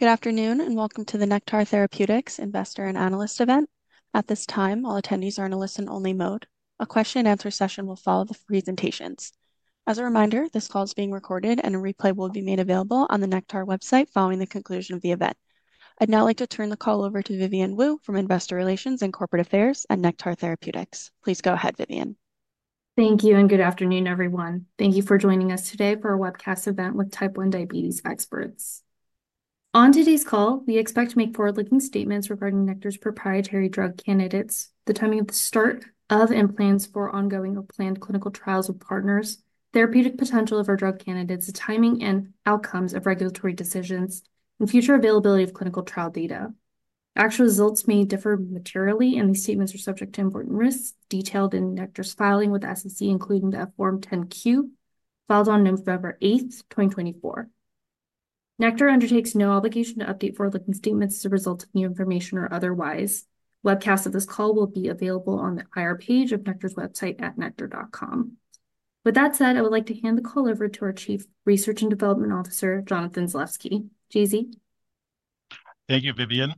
Good afternoon, and welcome to the Nektar Therapeutics Investor and Analyst event. At this time, all attendees are in a listen-only mode. A question-and-answer session will follow the presentations. As a reminder, this call is being recorded, and a replay will be made available on the Nektar website following the conclusion of the event. I'd now like to turn the call over to Vivian Wu from Investor Relations and Corporate Affairs at Nektar Therapeutics. Please go ahead, Vivian. Thank you, and good afternoon, everyone. Thank you for joining us today for our webcast event with Type 1 diabetes experts. On today's call, we expect to make forward-looking statements regarding Nektar's proprietary drug candidates, the timing of the start of enrollment for ongoing or planned clinical trials with partners, therapeutic potential of our drug candidates, the timing and outcomes of regulatory decisions, and future availability of clinical trial data. Actual results may differ materially, and these statements are subject to important risks detailed in Nektar's filing with SEC, including the Form 10-Q filed on November 8th, 2024. Nektar undertakes no obligation to update forward-looking statements as a result of new information or otherwise. Webcasts of this call will be available on the IR page of Nektar's website at nektar.com. With that said, I would like to hand the call over to our Chief Research and Development Officer, Jonathan Zalevsky. JZ. Thank you, Vivian.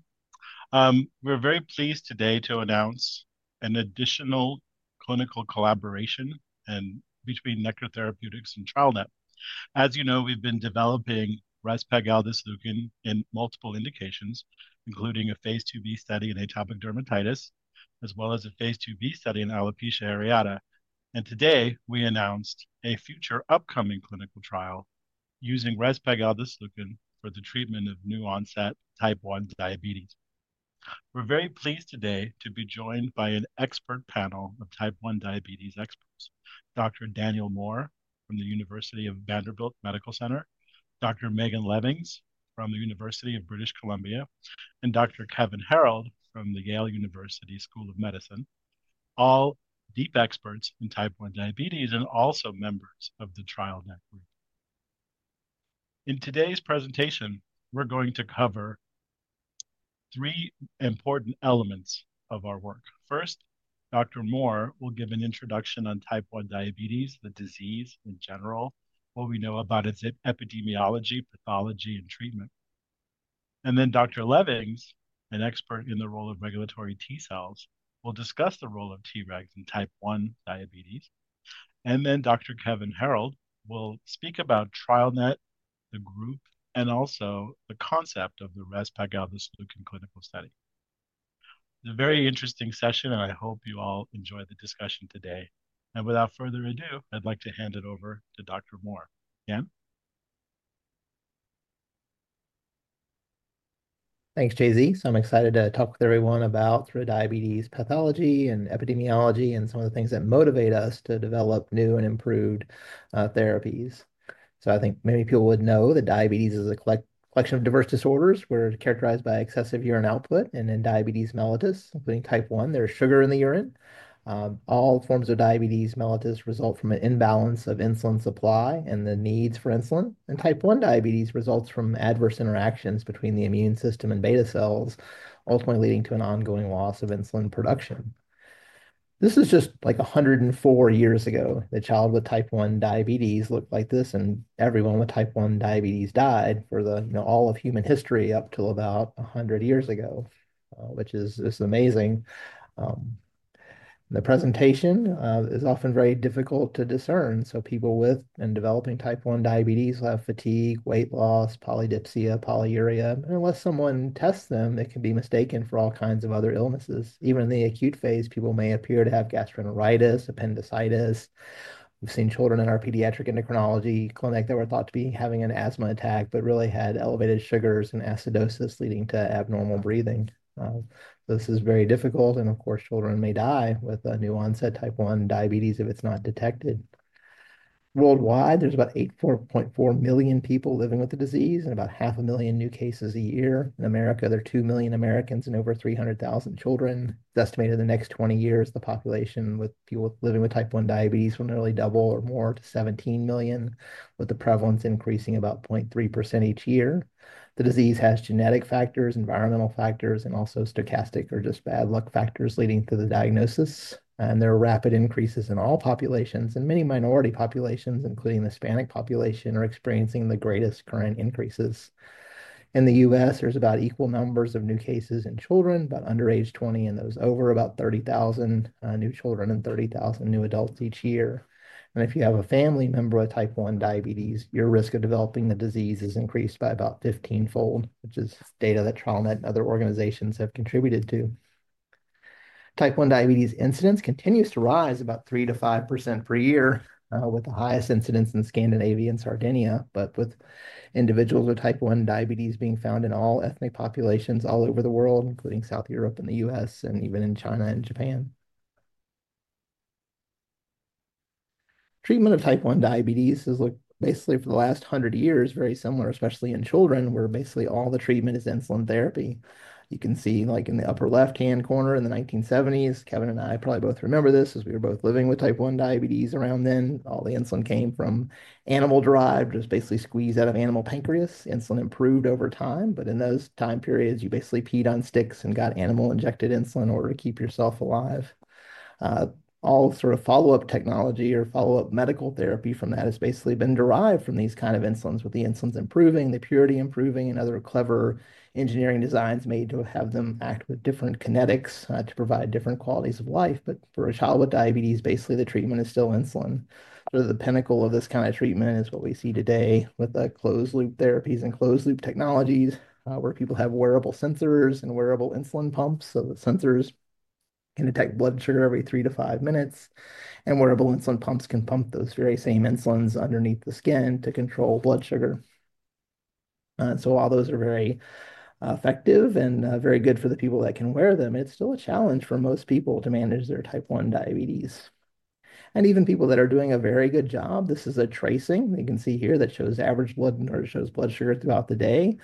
We're very pleased today to announce an additional clinical collaboration between Nektar Therapeutics and TrialNet. As you know, we've been developing rezpegaldesleukin in multiple indications, including a Phase 2b study in atopic dermatitis, as well as a Phase 2b study in alopecia areata, and today, we announced a future upcoming clinical trial using rezpegaldesleukin for the treatment of new-onset Type 1 diabetes. We're very pleased today to be joined by an expert panel of Type 1 diabetes experts: Dr. Daniel Moore from the Vanderbilt University Medical Center, Dr. Megan Levings from the University of British Columbia, and Dr. Kevan Herold from the Yale School of Medicine, all deep experts in Type 1 diabetes and also members of the TrialNet group. In today's presentation, we're going to cover three important elements of our work. First, Dr. Moore will give an introduction on Type 1 diabetes, the disease in general, what we know about its epidemiology, pathology, and treatment. And then Dr. Levings, an expert in the role of regulatory T cells, will discuss the role of Tregs in Type 1 diabetes. And then Dr. Kevan Herold will speak about TrialNet, the group, and also the concept of the rezpegaldesleukin clinical study. It's a very interesting session, and I hope you all enjoy the discussion today. And without further ado, I'd like to hand it over to Dr. Moore. Again. Thanks, Jay Z, so I'm excited to talk with everyone about diabetes pathology and epidemiology and some of the things that motivate us to develop new and improved therapies, so I think many people would know that diabetes is a collection of diverse disorders characterized by excessive urine output, and in diabetes mellitus, including Type 1, there's sugar in the urine. All forms of diabetes mellitus result from an imbalance of insulin supply, and the needs for insulin in Type 1 diabetes result from adverse interactions between the immune system and beta cells, ultimately leading to an ongoing loss of insulin production. This is just like 104 years ago. The child with Type 1 diabetes looked like this, and everyone with Type 1 diabetes died for all of human history up till about 100 years ago, which is amazing. The presentation is often very difficult to discern. People with and developing Type 1 diabetes will have fatigue, weight loss, polydipsia, polyuria. And unless someone tests them, it can be mistaken for all kinds of other illnesses. Even in the acute phase, people may appear to have gastroenteritis, appendicitis. We've seen children in our pediatric endocrinology clinic that were thought to be having an asthma attack but really had elevated sugars and acidosis leading to abnormal breathing. This is very difficult. And of course, children may die with a new-onset Type 1 diabetes if it's not detected. Worldwide, there's about 8.4 million people living with the disease and about 500,000 new cases a year. In America, there are 2 million Americans and over 300,000 children. It's estimated in the next 20 years the population living with Type 1 diabetes will nearly double or more to 17 million, with the prevalence increasing about 0.3% each year. The disease has genetic factors, environmental factors, and also stochastic or just bad luck factors leading to the diagnosis. There are rapid increases in all populations. Many minority populations, including the Hispanic population, are experiencing the greatest current increases. In the U.S., there's about equal numbers of new cases in children, but under age 20 and those over, about 30,000 new children and 30,000 new adults each year. If you have a family member with Type 1 diabetes, your risk of developing the disease is increased by about 15-fold, which is data that TrialNet and other organizations have contributed to. Type 1 diabetes incidence continues to rise about 3%-5% per year, with the highest incidence in Scandinavia and Sardinia, but with individuals with Type 1 diabetes being found in all ethnic populations all over the world, including South Europe and the U.S., and even in China and Japan. Treatment of Type 1 diabetes has looked basically for the last 100 years very similar, especially in children, where basically all the treatment is insulin therapy. You can see in the upper left-hand corner in the 1970s, Kevan and I probably both remember this as we were both living with Type 1 diabetes around then. All the insulin came from animal-derived, was basically squeezed out of animal pancreas. Insulin improved over time. But in those time periods, you basically peed on sticks and got animal-injected insulin in order to keep yourself alive. All sorts of follow-up technology or follow-up medical therapy from that has basically been derived from these kinds of insulins, with the insulins improving, the purity improving, and other clever engineering designs made to have them act with different kinetics to provide different qualities of life, but for a child with diabetes, basically the treatment is still insulin. The pinnacle of this kind of treatment is what we see today with the closed-loop therapies and closed-loop technologies, where people have wearable sensors and wearable insulin pumps, so the sensors can detect blood sugar every three to five minutes, and wearable insulin pumps can pump those very same insulins underneath the skin to control blood sugar, so while those are very effective and very good for the people that can wear them, it's still a challenge for most people to manage their Type 1 diabetes. Even people that are doing a very good job. This is a tracing you can see here that shows average blood or shows blood sugar throughout the day.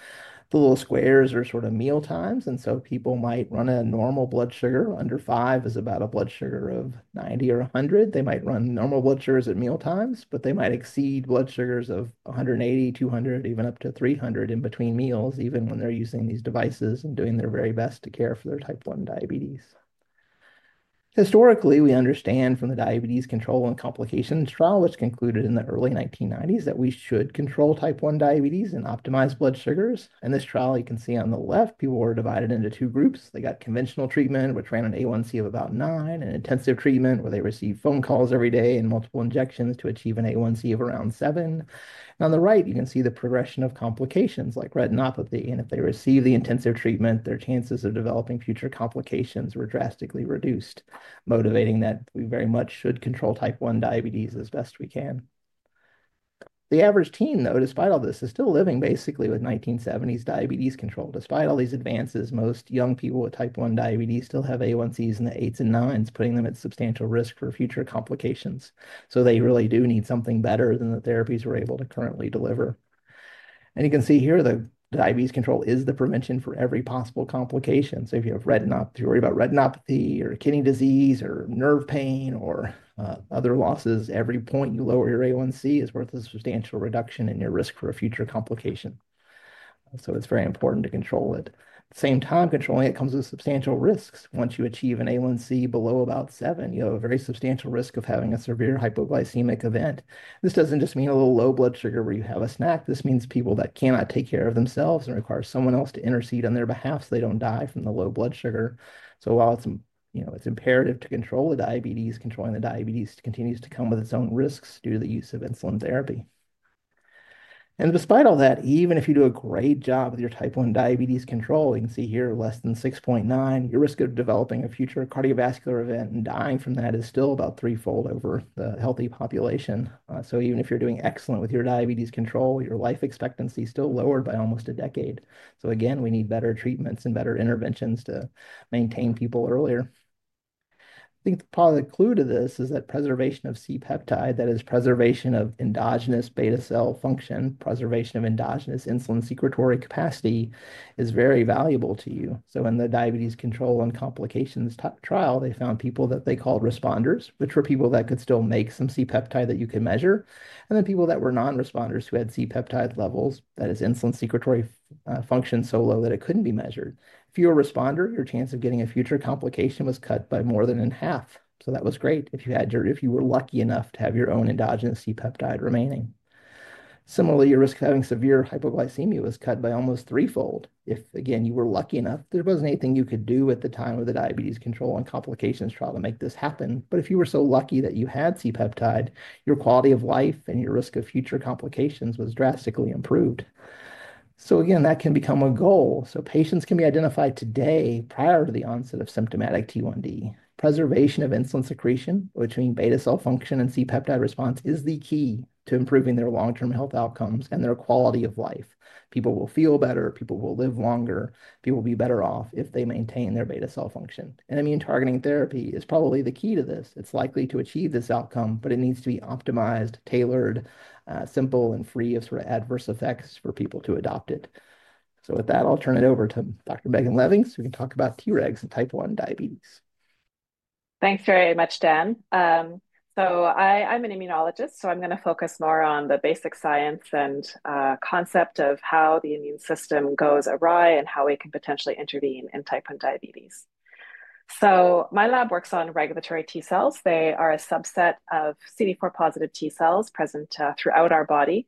The little squares are sort of meal times. And so people might run a normal blood sugar under 5, which is about a blood sugar of 90 or 100. They might run normal blood sugars at meal times, but they might exceed blood sugars of 180, 200, even up to 300 in between meals, even when they're using these devices and doing their very best to care for their Type 1 diabetes. Historically, we understand from the Diabetes Control and Complications Trial, which concluded in the early 1990s, that we should control Type 1 diabetes and optimize blood sugars. In this trial, you can see on the left, people were divided into two groups. They got conventional treatment, which ran an A1C of about nine, and intensive treatment, where they received phone calls every day and multiple injections to achieve an A1C of around seven. On the right, you can see the progression of complications like retinopathy, and if they receive the intensive treatment, their chances of developing future complications were drastically reduced, motivating that we very much should control Type 1 diabetes as best we can. The average teen, though, despite all this, is still living basically with 1970s diabetes control. Despite all these advances, most young people with Type 1 diabetes still have A1Cs in the eights and nines, putting them at substantial risk for future complications, so they really do need something better than the therapies we're able to currently deliver, and you can see here the diabetes control is the prevention for every possible complication. So if you have retinopathy, if you worry about retinopathy or kidney disease or nerve pain or other losses, every point you lower your A1C is worth a substantial reduction in your risk for a future complication. So it's very important to control it. At the same time, controlling it comes with substantial risks. Once you achieve an A1C below about 7, you have a very substantial risk of having a severe hypoglycemic event. This doesn't just mean a little low blood sugar where you have a snack. This means people that cannot take care of themselves and require someone else to intercede on their behalf so they don't die from the low blood sugar. So while it's imperative to control the diabetes, controlling the diabetes continues to come with its own risks due to the use of insulin therapy. And despite all that, even if you do a great job with your Type 1 diabetes control, you can see here, less than 6.9, your risk of developing a future cardiovascular event and dying from that is still about threefold over the healthy population. So even if you're doing excellent with your diabetes control, your life expectancy is still lowered by almost a decade. So again, we need better treatments and better interventions to maintain people earlier. I think probably the clue to this is that preservation of C-peptide, that is, preservation of endogenous beta cell function, preservation of endogenous insulin secretory capacity, is very valuable to you. In the Diabetes Control and Complications Trial, they found people that they called responders, which were people that could still make some C-peptide that you could measure, and then people that were non-responders who had C-peptide levels, that is, insulin secretory function so low that it couldn't be measured. If you're a responder, your chance of getting a future complication was cut by more than in half. That was great if you were lucky enough to have your own endogenous C-peptide remaining. Similarly, your risk of having severe hypoglycemia was cut by almost threefold if, again, you were lucky enough. There wasn't anything you could do at the time of the Diabetes Control and Complications Trial to make this happen. If you were so lucky that you had C-peptide, your quality of life and your risk of future complications was drastically improved. So again, that can become a goal. Patients can be identified today prior to the onset of symptomatic T1D. Preservation of insulin secretion, which means beta cell function and C-peptide response, is the key to improving their long-term health outcomes and their quality of life. People will feel better. People will live longer. People will be better off if they maintain their beta cell function. Immune targeting therapy is probably the key to this. It's likely to achieve this outcome, but it needs to be optimized, tailored, simple, and free of sort of adverse effects for people to adopt it. With that, I'll turn it over to Dr. Megan Levings so we can talk about Tregs and Type 1 diabetes. Thanks very much, Dan. So I'm an immunologist, so I'm going to focus more on the basic science and concept of how the immune system goes awry and how we can potentially intervene in Type 1 diabetes. So my lab works on regulatory T cells. They are a subset of CD4-positive T cells present throughout our body.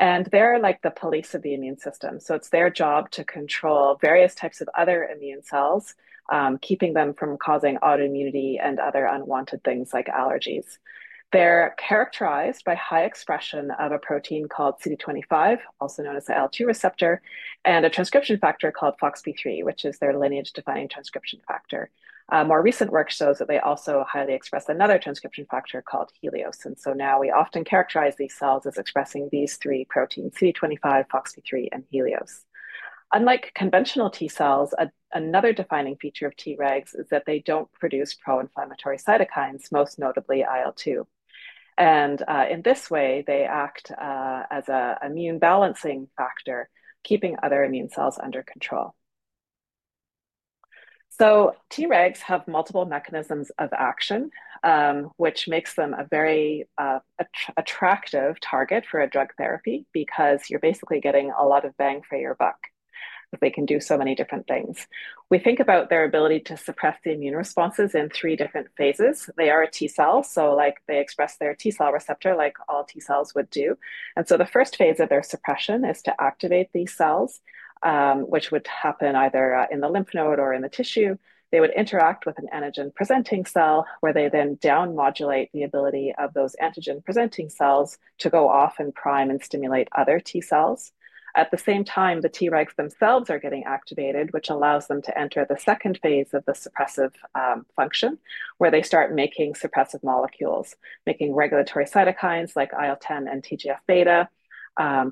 And they're like the police of the immune system. So it's their job to control various types of other immune cells, keeping them from causing autoimmunity and other unwanted things like allergies. They're characterized by high expression of a protein called CD25, also known as the IL-2 receptor, and a transcription factor called FOXP3, which is their lineage-defining transcription factor. More recent work shows that they also highly express another transcription factor called Helios. And so now we often characterize these cells as expressing these three proteins, CD25, FOXP3, and Helios. Unlike conventional T cells, another defining feature of Tregs is that they don't produce pro-inflammatory cytokines, most notably IL-2, and in this way, they act as an immune balancing factor, keeping other immune cells under control, so Tregs have multiple mechanisms of action, which makes them a very attractive target for a drug therapy because you're basically getting a lot of bang for your buck because they can do so many different things. We think about their ability to suppress the immune responses in three different phases. They are a T cell, so they express their T cell receptor like all T cells would do, and so the first phase of their suppression is to activate these cells, which would happen either in the lymph node or in the tissue. They would interact with an antigen-presenting cell, where they then down-modulate the ability of those antigen-presenting cells to go off and prime and stimulate other T cells. At the same time, the Tregs themselves are getting activated, which allows them to enter the second phase of the suppressive function, where they start making suppressive molecules, making regulatory cytokines like IL-10 and TGF-β,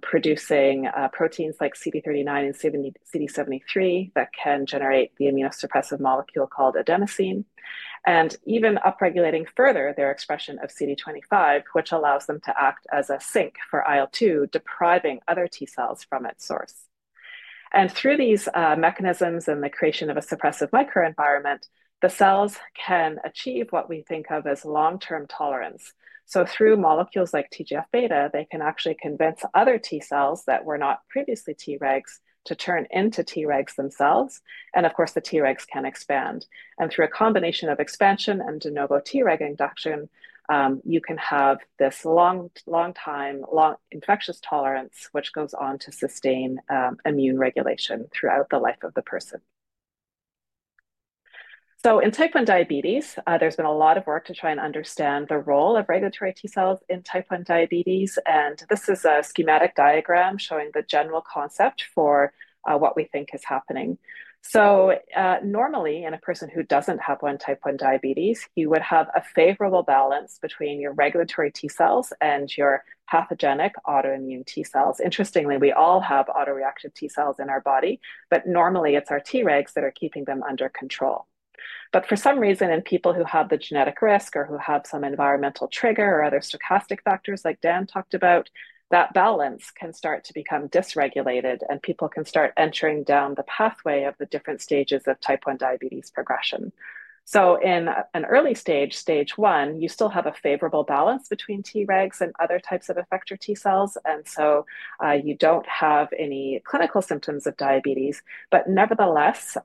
producing proteins like CD39 and CD73 that can generate the immunosuppressive molecule called adenosine, and even up-regulating further their expression of CD25, which allows them to act as a sink for IL-2, depriving other T cells from its source, and through these mechanisms and the creation of a suppressive microenvironment, the cells can achieve what we think of as long-term tolerance, so through molecules like TGF-β, they can actually convince other T cells that were not previously Tregs to turn into Tregs themselves. And of course, the Tregs can expand. And through a combination of expansion and de novo Treg induction, you can have this long-time, long infectious tolerance, which goes on to sustain immune regulation throughout the life of the person. So in Type 1 diabetes, there's been a lot of work to try and understand the role of regulatory T cells in Type 1 diabetes. And this is a schematic diagram showing the general concept for what we think is happening. So normally, in a person who doesn't have Type 1 diabetes, you would have a favorable balance between your regulatory T cells and your pathogenic autoimmune T cells. Interestingly, we all have autoreactive T cells in our body, but normally, it's our Tregs that are keeping them under control. But for some reason, in people who have the genetic risk or who have some environmental trigger or other stochastic factors like Dan talked about, that balance can start to become dysregulated, and people can start entering down the pathway of the different stages of Type 1 diabetes progression. So in an early stage, stage 1, you still have a favorable balance between Tregs and other types of effector T cells. And so you don't have any clinical symptoms of diabetes. But nevertheless,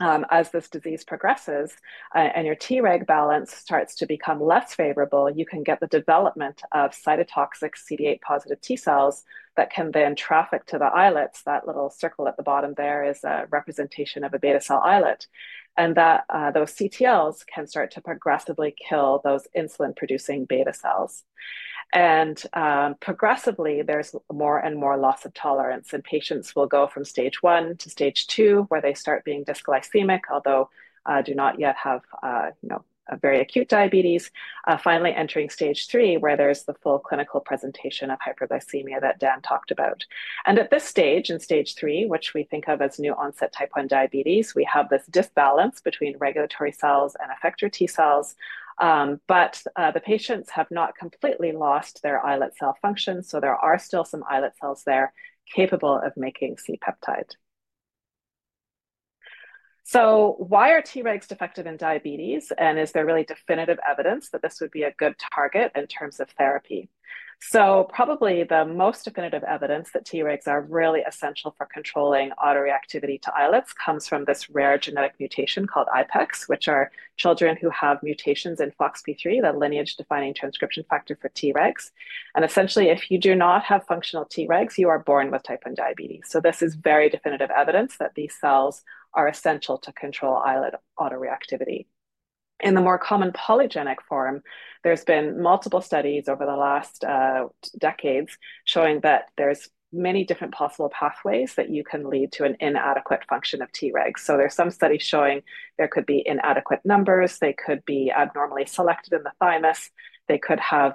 as this disease progresses and your Treg balance starts to become less favorable, you can get the development of cytotoxic CD8-positive T cells that can then traffic to the islets. That little circle at the bottom there is a representation of a beta cell islet. And those CTLs can start to progressively kill those insulin-producing beta cells. And progressively, there's more and more loss of tolerance. Patients will go from stage 1 to stage 2, where they start being dysglycemic, although they do not yet have a very acute diabetes, finally entering stage 3, where there's the full clinical presentation of hyperglycemia that Dan talked about. At this stage, in stage 3, which we think of as new-onset Type 1 diabetes, we have this imbalance between regulatory cells and effector T cells. But the patients have not completely lost their islet cell function. So there are still some islet cells there capable of making C-peptide. So why are Tregs defective in diabetes? And is there really definitive evidence that this would be a good target in terms of therapy? Probably the most definitive evidence that Tregs are really essential for controlling autoreactivity to islets comes from this rare genetic mutation called IPEX, which are children who have mutations in FOXP3, the lineage-defining transcription factor for Tregs. Essentially, if you do not have functional Tregs, you are born with Type 1 diabetes. This is very definitive evidence that these cells are essential to control islet autoreactivity. In the more common polygenic form, there's been multiple studies over the last decades showing that there's many different possible pathways that you can lead to an inadequate function of Tregs. There's some studies showing there could be inadequate numbers. They could be abnormally selected in the thymus. They could have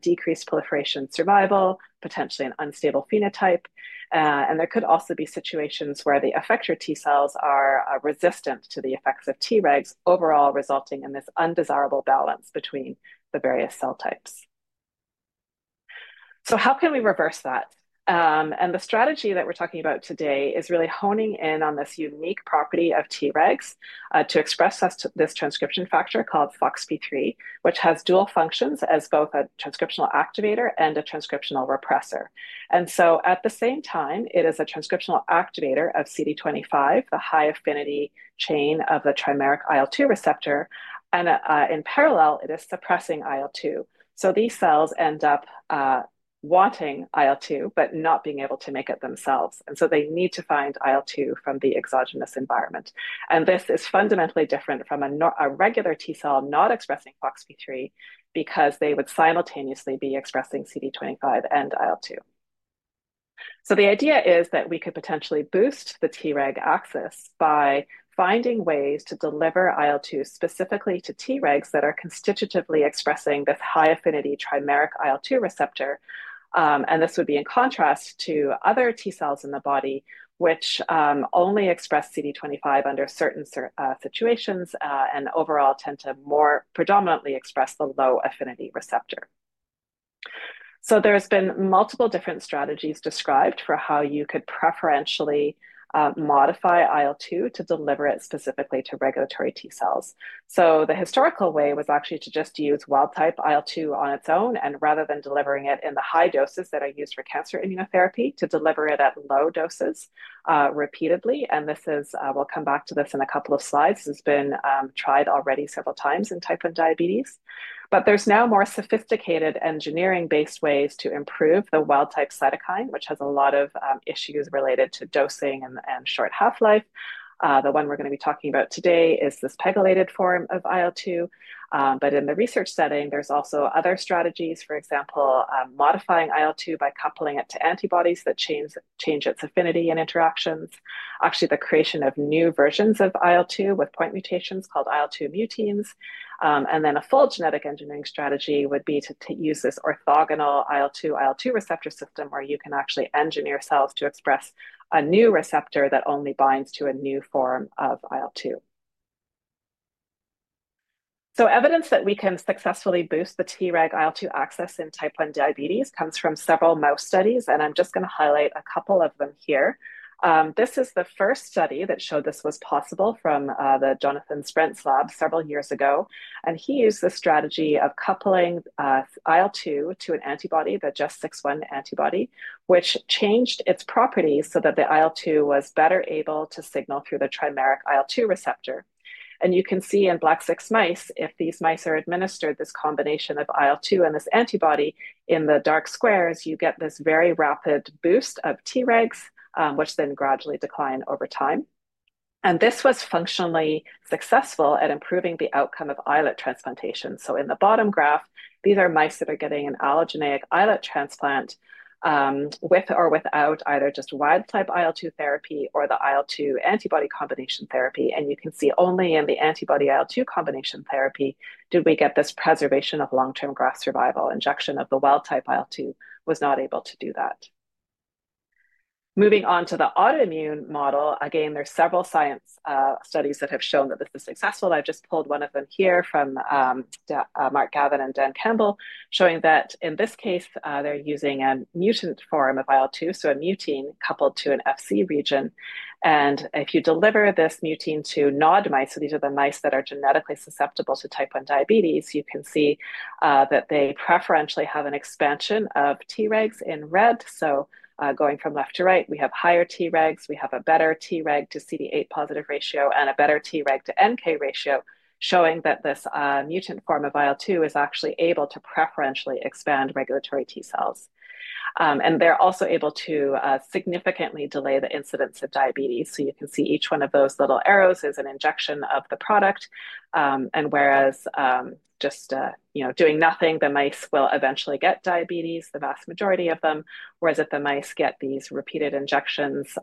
decreased proliferation survival, potentially an unstable phenotype. And there could also be situations where the effector T cells are resistant to the effects of Tregs, overall resulting in this undesirable balance between the various cell types. So how can we reverse that? And the strategy that we're talking about today is really honing in on this unique property of Tregs to express this transcription factor called FOXP3, which has dual functions as both a transcriptional activator and a transcriptional repressor. And so at the same time, it is a transcriptional activator of CD25, the high affinity chain of the trimeric IL-2 receptor. And in parallel, it is suppressing IL-2. So these cells end up wanting IL-2 but not being able to make it themselves. And so they need to find IL-2 from the exogenous environment. And this is fundamentally different from a regular T cell not expressing FOXP3 because they would simultaneously be expressing CD25 and IL-2. So the idea is that we could potentially boost the Treg axis by finding ways to deliver IL-2 specifically to Tregs that are constitutively expressing this high affinity trimeric IL-2 receptor. And this would be in contrast to other T cells in the body, which only express CD25 under certain situations and overall tend to more predominantly express the low affinity receptor. So there's been multiple different strategies described for how you could preferentially modify IL-2 to deliver it specifically to regulatory T cells. So the historical way was actually to just use wild-type IL-2 on its own. And rather than delivering it in the high doses that are used for cancer immunotherapy, to deliver it at low doses repeatedly. And this, we'll come back to this in a couple of slides. This has been tried already several times in Type 1 diabetes. But there's now more sophisticated engineering-based ways to improve the wild-type cytokine, which has a lot of issues related to dosing and short half-life. The one we're going to be talking about today is this pegylated form of IL-2. But in the research setting, there's also other strategies, for example, modifying IL-2 by coupling it to antibodies that change its affinity and interactions, actually the creation of new versions of IL-2 with point mutations called IL-2 muteins. And then a full genetic engineering strategy would be to use this orthogonal IL-2-IL-2 receptor system, where you can actually engineer cells to express a new receptor that only binds to a new form of IL-2. So evidence that we can successfully boost the Treg IL-2 axis in Type 1 diabetes comes from several mouse studies. And I'm just going to highlight a couple of them here. This is the first study that showed this was possible from the Jonathan Sprent's lab several years ago. And he used the strategy of coupling IL-2 to an antibody, the JES6-1 antibody, which changed its properties so that the IL-2 was better able to signal through the trimeric IL-2 receptor. And you can see in C57BL/6 mice, if these mice are administered this combination of IL-2 and this antibody in the dark squares, you get this very rapid boost of Tregs, which then gradually decline over time. And this was functionally successful at improving the outcome of islet transplantation. So in the bottom graph, these are mice that are getting an allogeneic islet transplant with or without either just wild-type IL-2 therapy or the IL-2 antibody combination therapy. And you can see only in the antibody IL-2 combination therapy did we get this preservation of long-term graft survival. Injection of the wild-type IL-2 was not able to do that. Moving on to the autoimmune model, again, there's several science studies that have shown that this is successful. I've just pulled one of them here from Marc Gavin and Dan Campbell, showing that in this case, they're using a mutant form of IL-2, so a mutein coupled to an Fc region. And if you deliver this mutein to NOD mice, so these are the mice that are genetically susceptible to Type 1 diabetes, you can see that they preferentially have an expansion of Tregs in red. So going from left to right, we have higher Tregs. We have a better Treg to CD8-positive ratio and a better Treg to NK ratio, showing that this mutant form of IL-2 is actually able to preferentially expand regulatory T cells. And they're also able to significantly delay the incidence of diabetes. You can see each one of those little arrows is an injection of the product. And whereas just doing nothing, the mice will eventually get diabetes, the vast majority of them. Whereas if the mice get these repeated injections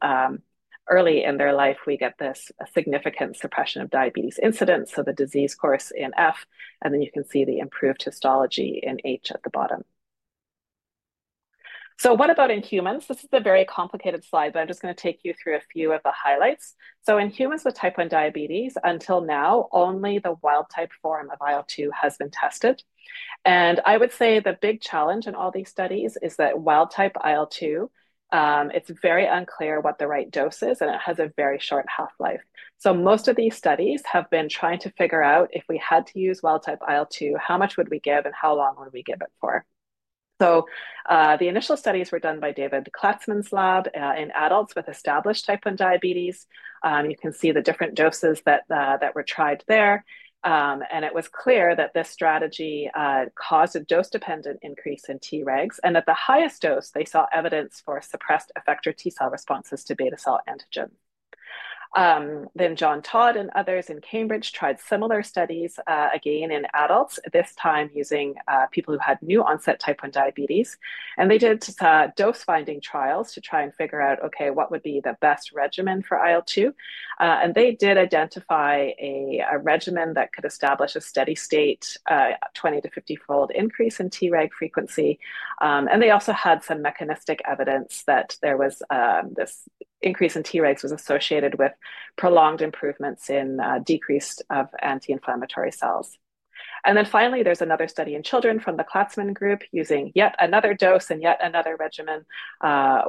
early in their life, we get this significant suppression of diabetes incidence. So the disease course in F, and then you can see the improved histology in H at the bottom. So what about in humans? This is a very complicated slide, but I'm just going to take you through a few of the highlights. So in humans with Type 1 diabetes, until now, only the wild-type form of IL-2 has been tested. And I would say the big challenge in all these studies is that wild-type IL-2, it's very unclear what the right dose is, and it has a very short half-life. Most of these studies have been trying to figure out if we had to use wild-type IL-2, how much would we give and how long would we give it for. The initial studies were done by David Klatzmann's lab in adults with established Type 1 diabetes. You can see the different doses that were tried there. It was clear that this strategy caused a dose-dependent increase in Tregs. At the highest dose, they saw evidence for suppressed effector T cell responses to beta cell antigen. John Todd and others in Cambridge tried similar studies, again in adults, this time using people who had new-onset Type 1 diabetes. They did dose-finding trials to try and figure out, OK, what would be the best regimen for IL-2. They did identify a regimen that could establish a steady-state 20- to 50-fold increase in Treg frequency. They also had some mechanistic evidence that this increase in Tregs was associated with prolonged improvements in decrease of pro-inflammatory cells. Then finally, there's another study in children from the Klatzmann group using yet another dose and yet another regimen,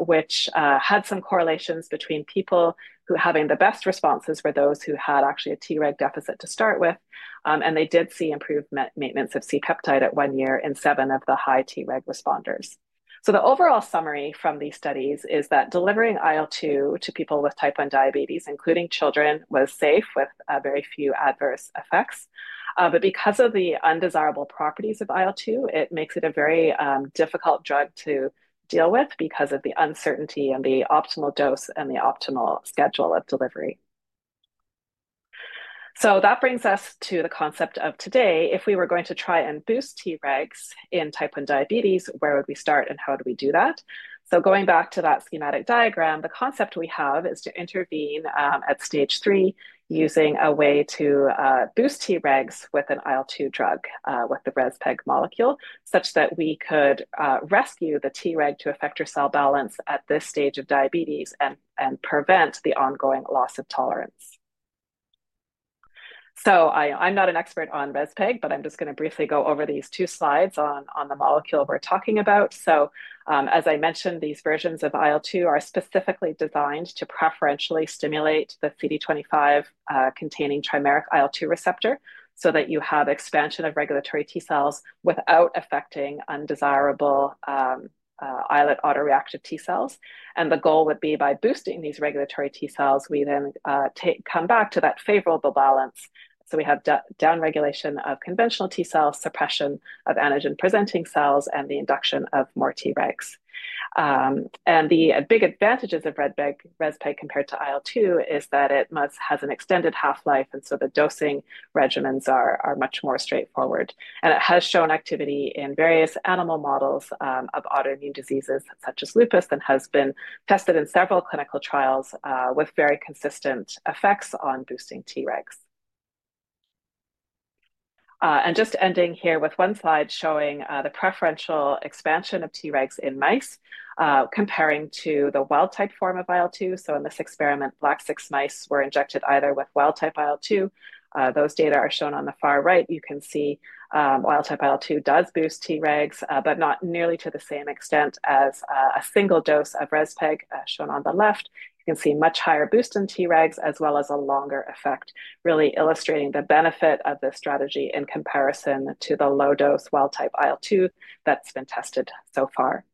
which had some correlations between people who were having the best responses for those who had actually a Treg deficit to start with. They did see improved maintenance of C-peptide at one year in seven of the high Treg responders. The overall summary from these studies is that delivering IL-2 to people with Type 1 diabetes, including children, was safe with very few adverse effects. Because of the undesirable properties of IL-2, it makes it a very difficult drug to deal with because of the uncertainty and the optimal dose and the optimal schedule of delivery. That brings us to the concept of today. If we were going to try and boost Tregs in Type 1 diabetes, where would we start and how would we do that, so going back to that schematic diagram, the concept we have is to intervene at stage 3 using a way to boost Tregs with an IL-2 drug with the REZPEG molecule, such that we could rescue the Treg to effector cell balance at this stage of diabetes and prevent the ongoing loss of tolerance, so I'm not an expert on REZPEG, but I'm just going to briefly go over these two slides on the molecule we're talking about, so as I mentioned, these versions of IL-2 are specifically designed to preferentially stimulate the CD25-containing trimeric IL-2 receptor so that you have expansion of regulatory T cells without affecting undesirable islet autoreactive T cells. And the goal would be by boosting these regulatory T cells, we then come back to that favorable balance, so we have downregulation of conventional T cells, suppression of antigen-presenting cells, and the induction of more Tregs, and the big advantages of REZPEG compared to IL-2 is that it has an extended half-life, and so the dosing regimens are much more straightforward, and it has shown activity in various animal models of autoimmune diseases, such as lupus, and has been tested in several clinical trials with very consistent effects on boosting Tregs, and just ending here with one slide showing the preferential expansion of Tregs in mice comparing to the wild-type form of IL-2, so in this experiment, black 6 mice were injected either with wild-type IL-2. Those data are shown on the far right. You can see wild-type IL-2 does boost Tregs, but not nearly to the same extent as a single dose of REZPEG shown on the left. You can see much higher boost in Tregs as well as a longer effect, really illustrating the benefit of this strategy in comparison to the low-dose wild-type IL-2 that's been tested so far.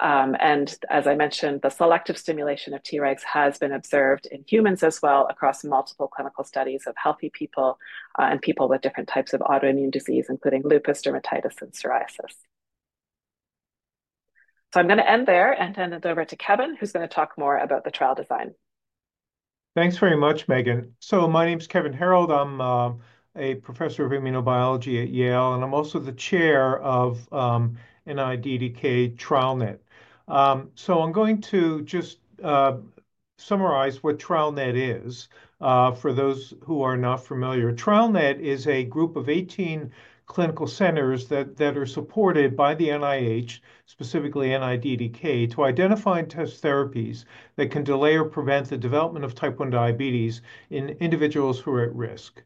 And as I mentioned, the selective stimulation of Tregs has been observed in humans as well across multiple clinical studies of healthy people and people with different types of autoimmune disease, including lupus, dermatitis, and psoriasis. So I'm going to end there and hand it over to Kevan, who's going to talk more about the trial design. Thanks very much, Megan. So my name is Kevan Herold. I'm a professor of immunobiology at Yale. And I'm also the chair of NIDDK TrialNet. So I'm going to just summarize what TrialNet is for those who are not familiar. TrialNet is a group of 18 clinical centers that are supported by the NIH, specifically NIDDK, to identify and test therapies that can delay or prevent the development of Type 1 diabetes in individuals who are at risk.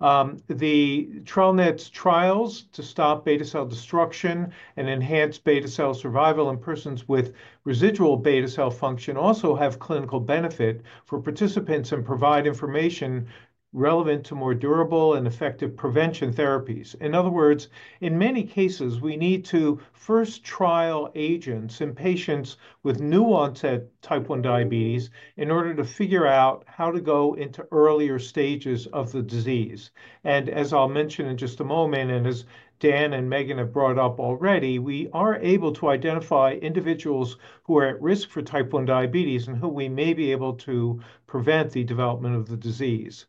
The TrialNet's trials to stop beta cell destruction and enhance beta cell survival in persons with residual beta cell function also have clinical benefit for participants and provide information relevant to more durable and effective prevention therapies. In other words, in many cases, we need to first trial agents in patients with new-onset Type 1 diabetes in order to figure out how to go into earlier stages of the disease. And as I'll mention in just a moment, and as Dan and Megan have brought up already, we are able to identify individuals who are at risk for Type 1 diabetes and who we may be able to prevent the development of the disease.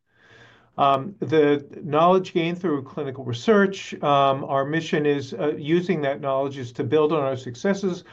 The knowledge gained through clinical research. Our mission is using that knowledge to build on our successes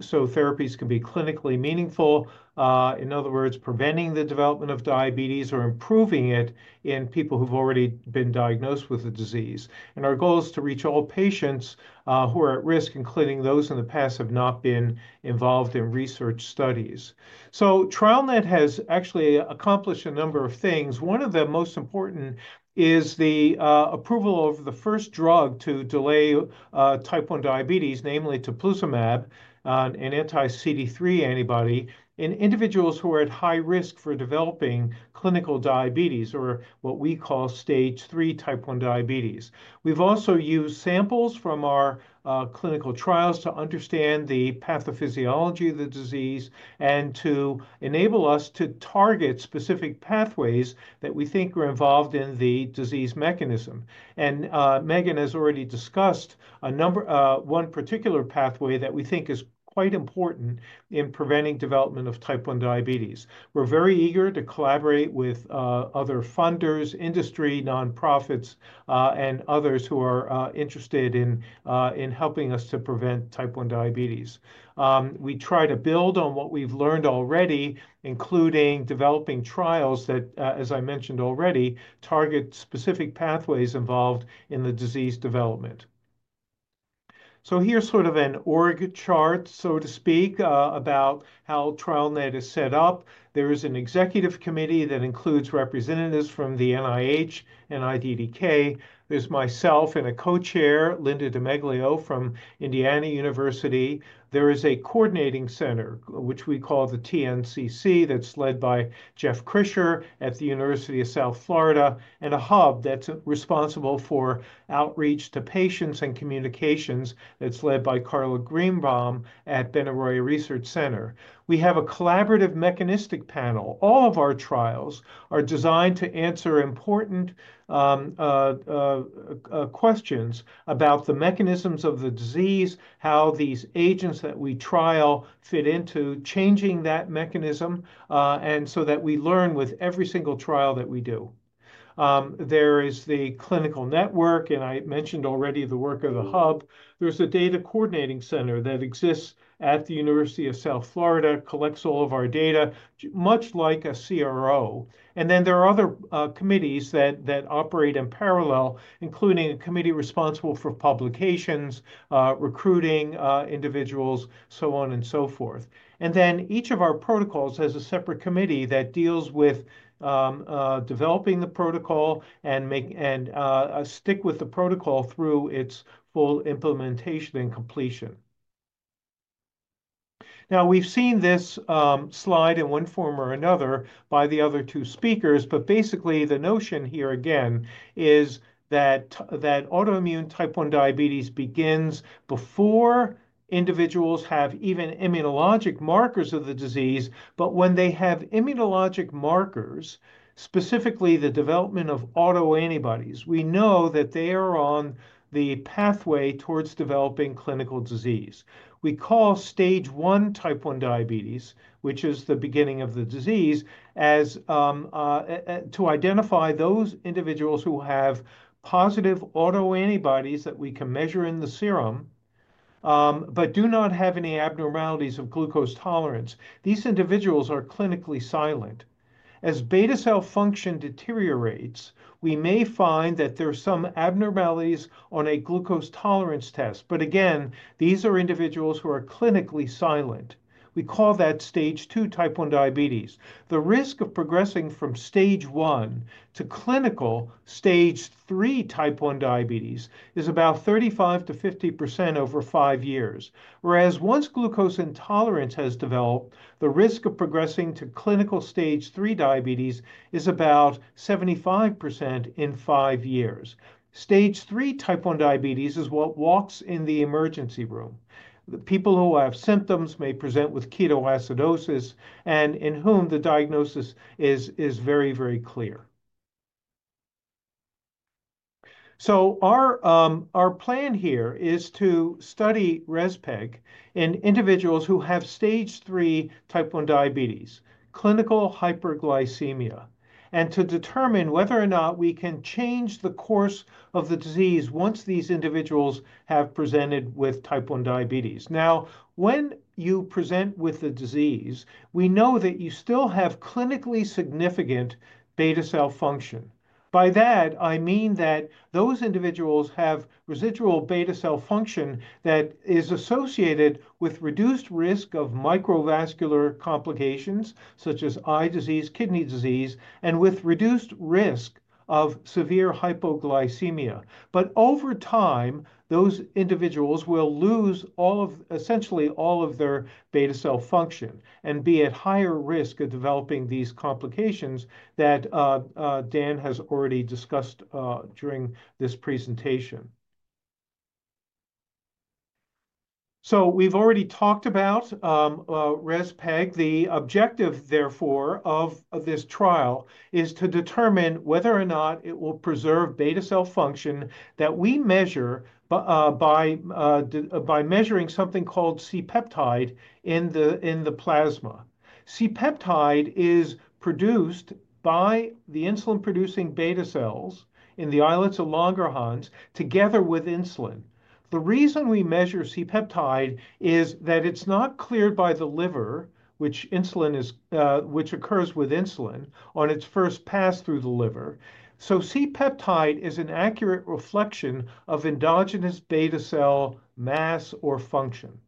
so therapies can be clinically meaningful. In other words, preventing the development of diabetes or improving it in people who've already been diagnosed with the disease. And our goal is to reach all patients who are at risk, including those in the past have not been involved in research studies. So TrialNet has actually accomplished a number of things. One of the most important is the approval of the first drug to delay Type 1 diabetes, namely teplizumab, an anti-CD3 antibody in individuals who are at high risk for developing clinical diabetes or what we call stage 3 Type 1 diabetes. We've also used samples from our clinical trials to understand the pathophysiology of the disease and to enable us to target specific pathways that we think are involved in the disease mechanism. And Megan has already discussed one particular pathway that we think is quite important in preventing development of Type 1 diabetes. We're very eager to collaborate with other funders, industry, nonprofits, and others who are interested in helping us to prevent Type 1 diabetes. We try to build on what we've learned already, including developing trials that, as I mentioned already, target specific pathways involved in the disease development. So here's sort of an org chart, so to speak, about how TrialNet is set up. There is an executive committee that includes representatives from the NIH, NIDDK. There's myself and a co-chair, Linda DiMeglio from Indiana University. There is a coordinating center, which we call the TNCC, that's led by Jeff Krischer at the University of South Florida, and a hub that's responsible for outreach to patients and communications that's led by Carla Greenbaum at Benaroya Research Institute. We have a collaborative mechanistic panel. All of our trials are designed to answer important questions about the mechanisms of the disease, how these agents that we trial fit into changing that mechanism, and so that we learn with every single trial that we do. There is the clinical network, and I mentioned already the work of the hub. There's a data coordinating center that exists at the University of South Florida, collects all of our data, much like a CRO. And then there are other committees that operate in parallel, including a committee responsible for publications, recruiting individuals, so on and so forth. And then each of our protocols has a separate committee that deals with developing the protocol and stick with the protocol through its full implementation and completion. Now, we've seen this slide in one form or another by the other two speakers. But basically, the notion here again is that autoimmune Type 1 diabetes begins before individuals have even immunologic markers of the disease. But when they have immunologic markers, specifically the development of autoantibodies, we know that they are on the pathway towards developing clinical disease. We call stage 1 Type 1 diabetes, which is the beginning of the disease, to identify those individuals who have positive autoantibodies that we can measure in the serum but do not have any abnormalities of glucose tolerance. These individuals are clinically silent. As beta cell function deteriorates, we may find that there are some abnormalities on a glucose tolerance test. But again, these are individuals who are clinically silent. We call that stage 2 Type 1 diabetes. The risk of progressing from stage 1 to clinical stage 3 Type 1 diabetes is about 35%-50% over five years. Whereas once glucose intolerance has developed, the risk of progressing to clinical stage 3 diabetes is about 75% in five years. Stage 3 Type 1 diabetes is what walks in the emergency room. People who have symptoms may present with ketoacidosis and in whom the diagnosis is very, very clear. So our plan here is to study REZPEG in individuals who have stage 3 Type 1 diabetes, clinical hyperglycemia, and to determine whether or not we can change the course of the disease once these individuals have presented with Type 1 diabetes. Now, when you present with the disease, we know that you still have clinically significant beta cell function. By that, I mean that those individuals have residual beta cell function that is associated with reduced risk of microvascular complications such as eye disease, kidney disease, and with reduced risk of severe hypoglycemia. But over time, those individuals will lose essentially all of their beta cell function and be at higher risk of developing these complications that Dan has already discussed during this presentation. So we've already talked about REZPEG. The objective, therefore, of this trial is to determine whether or not it will preserve beta cell function that we measure by measuring something called C-peptide in the plasma. C-peptide is produced by the insulin-producing beta cells in the islets of Langerhans together with insulin. The reason we measure C-peptide is that it's not cleared by the liver, which occurs with insulin on its first pass through the liver, so C-peptide is an accurate reflection of endogenous beta cell mass or function,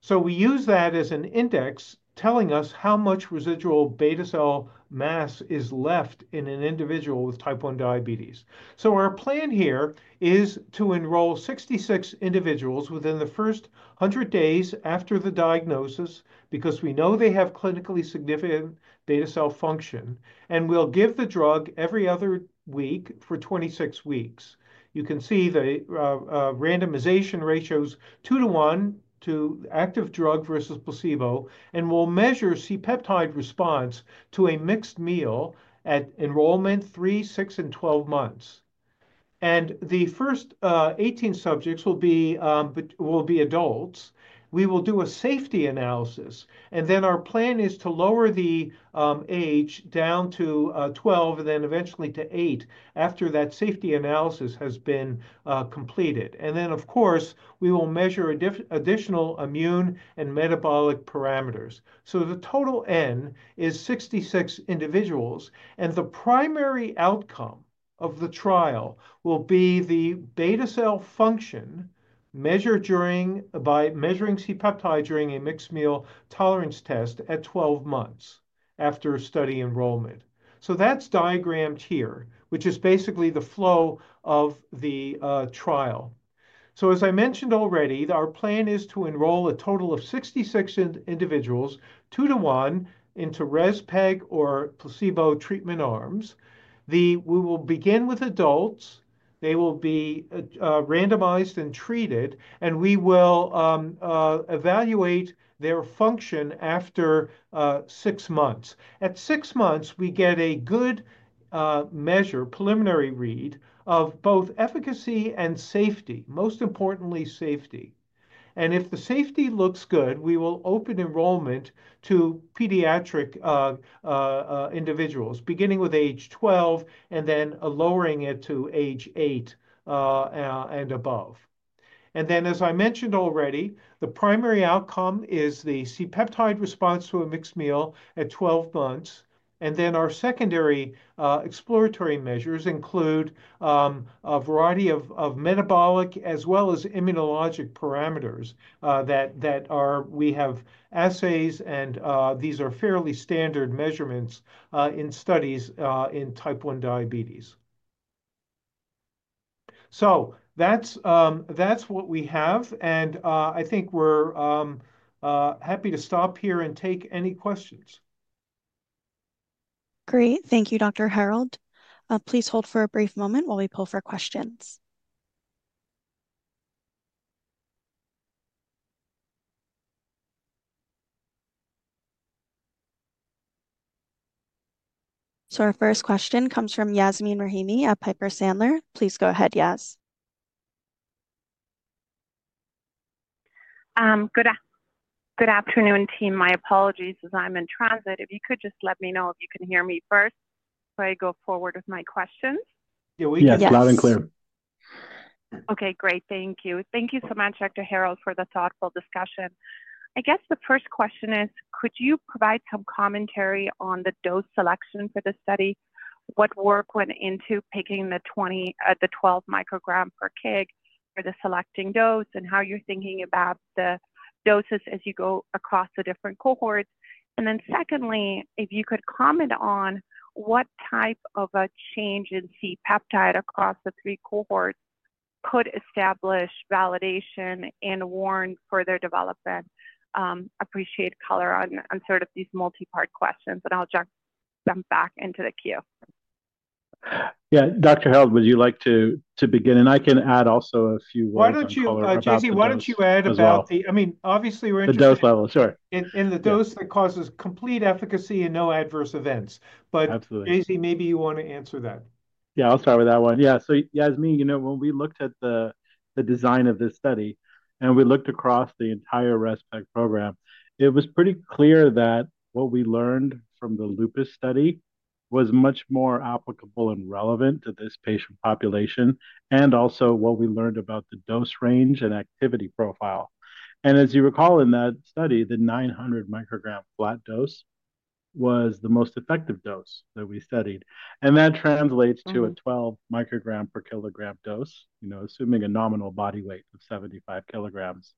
so we use that as an index telling us how much residual beta cell mass is left in an individual with Type 1 diabetes, so our plan here is to enroll 66 individuals within the first 100 days after the diagnosis because we know they have clinically significant beta cell function, and we'll give the drug every other week for 26 weeks. You can see the randomization ratios two to one to active drug versus placebo. And we'll measure C-peptide response to a mixed meal at enrollment, three, six, and 12 months. And the first 18 subjects will be adults. We will do a safety analysis. And then our plan is to lower the age down to 12 and then eventually to eight after that safety analysis has been completed. And then, of course, we will measure additional immune and metabolic parameters. So the total N is 66 individuals. And the primary outcome of the trial will be the beta cell function measured by measuring C-peptide during a mixed meal tolerance test at 12 months after study enrollment. So that's diagrammed here, which is basically the flow of the trial. As I mentioned already, our plan is to enroll a total of 66 individuals, 2 to 1, into REZPEG or placebo treatment arms. We will begin with adults. They will be randomized and treated. We will evaluate their function after six months. At six months, we get a good measure, preliminary read, of both efficacy and safety, most importantly, safety. If the safety looks good, we will open enrollment to pediatric individuals, beginning with age 12 and then lowering it to age 8 and above. As I mentioned already, the primary outcome is the C-peptide response to a mixed meal at 12 months. Our secondary exploratory measures include a variety of metabolic as well as immunologic parameters that we have assays. These are fairly standard measurements in studies in Type 1 diabetes. That's what we have. I think we're happy to stop here and take any questions. Great. Thank you, Dr. Herold. Please hold for a brief moment while we pull for questions. Our first question comes from Yasmeen Rahimi at Piper Sandler. Please go ahead, Yas. Good afternoon, team. My apologies as I'm in transit. If you could just let me know if you can hear me first before I go forward with my questions. Yeah, we can hear you loud and clear. Okay, great. Thank you. Thank you so much, Dr. Herold, for the thoughtful discussion. I guess the first question is, could you provide some commentary on the dose selection for the study? What work went into picking the 12 micrograms per kg for the selecting dose and how you're thinking about the doses as you go across the different cohorts? And then secondly, if you could comment on what type of a change in C-peptide across the three cohorts could establish validation and warrant further development. Appreciate color on sort of these multi-part questions. And I'll jump them back into the queue. Yeah, Dr. Herold, would you like to begin? And I can add also a few words on the follow-up. Why don't you, Jay Z, why don't you add about the, I mean, obviously, we're interested in the dose level, sure, in the dose that causes complete efficacy and no adverse events. But Jay Z, maybe you want to answer that. Yeah, I'll start with that one. Yeah. Yasmeen, when we looked at the design of this study and we looked across the entire REZPEG program, it was pretty clear that what we learned from the lupus study was much more applicable and relevant to this patient population and also what we learned about the dose range and activity profile. As you recall in that study, the 900 microgram flat dose was the most effective dose that we studied. That translates to a 12 microgram per kilogram dose, assuming a nominal body weight of 75 kilograms.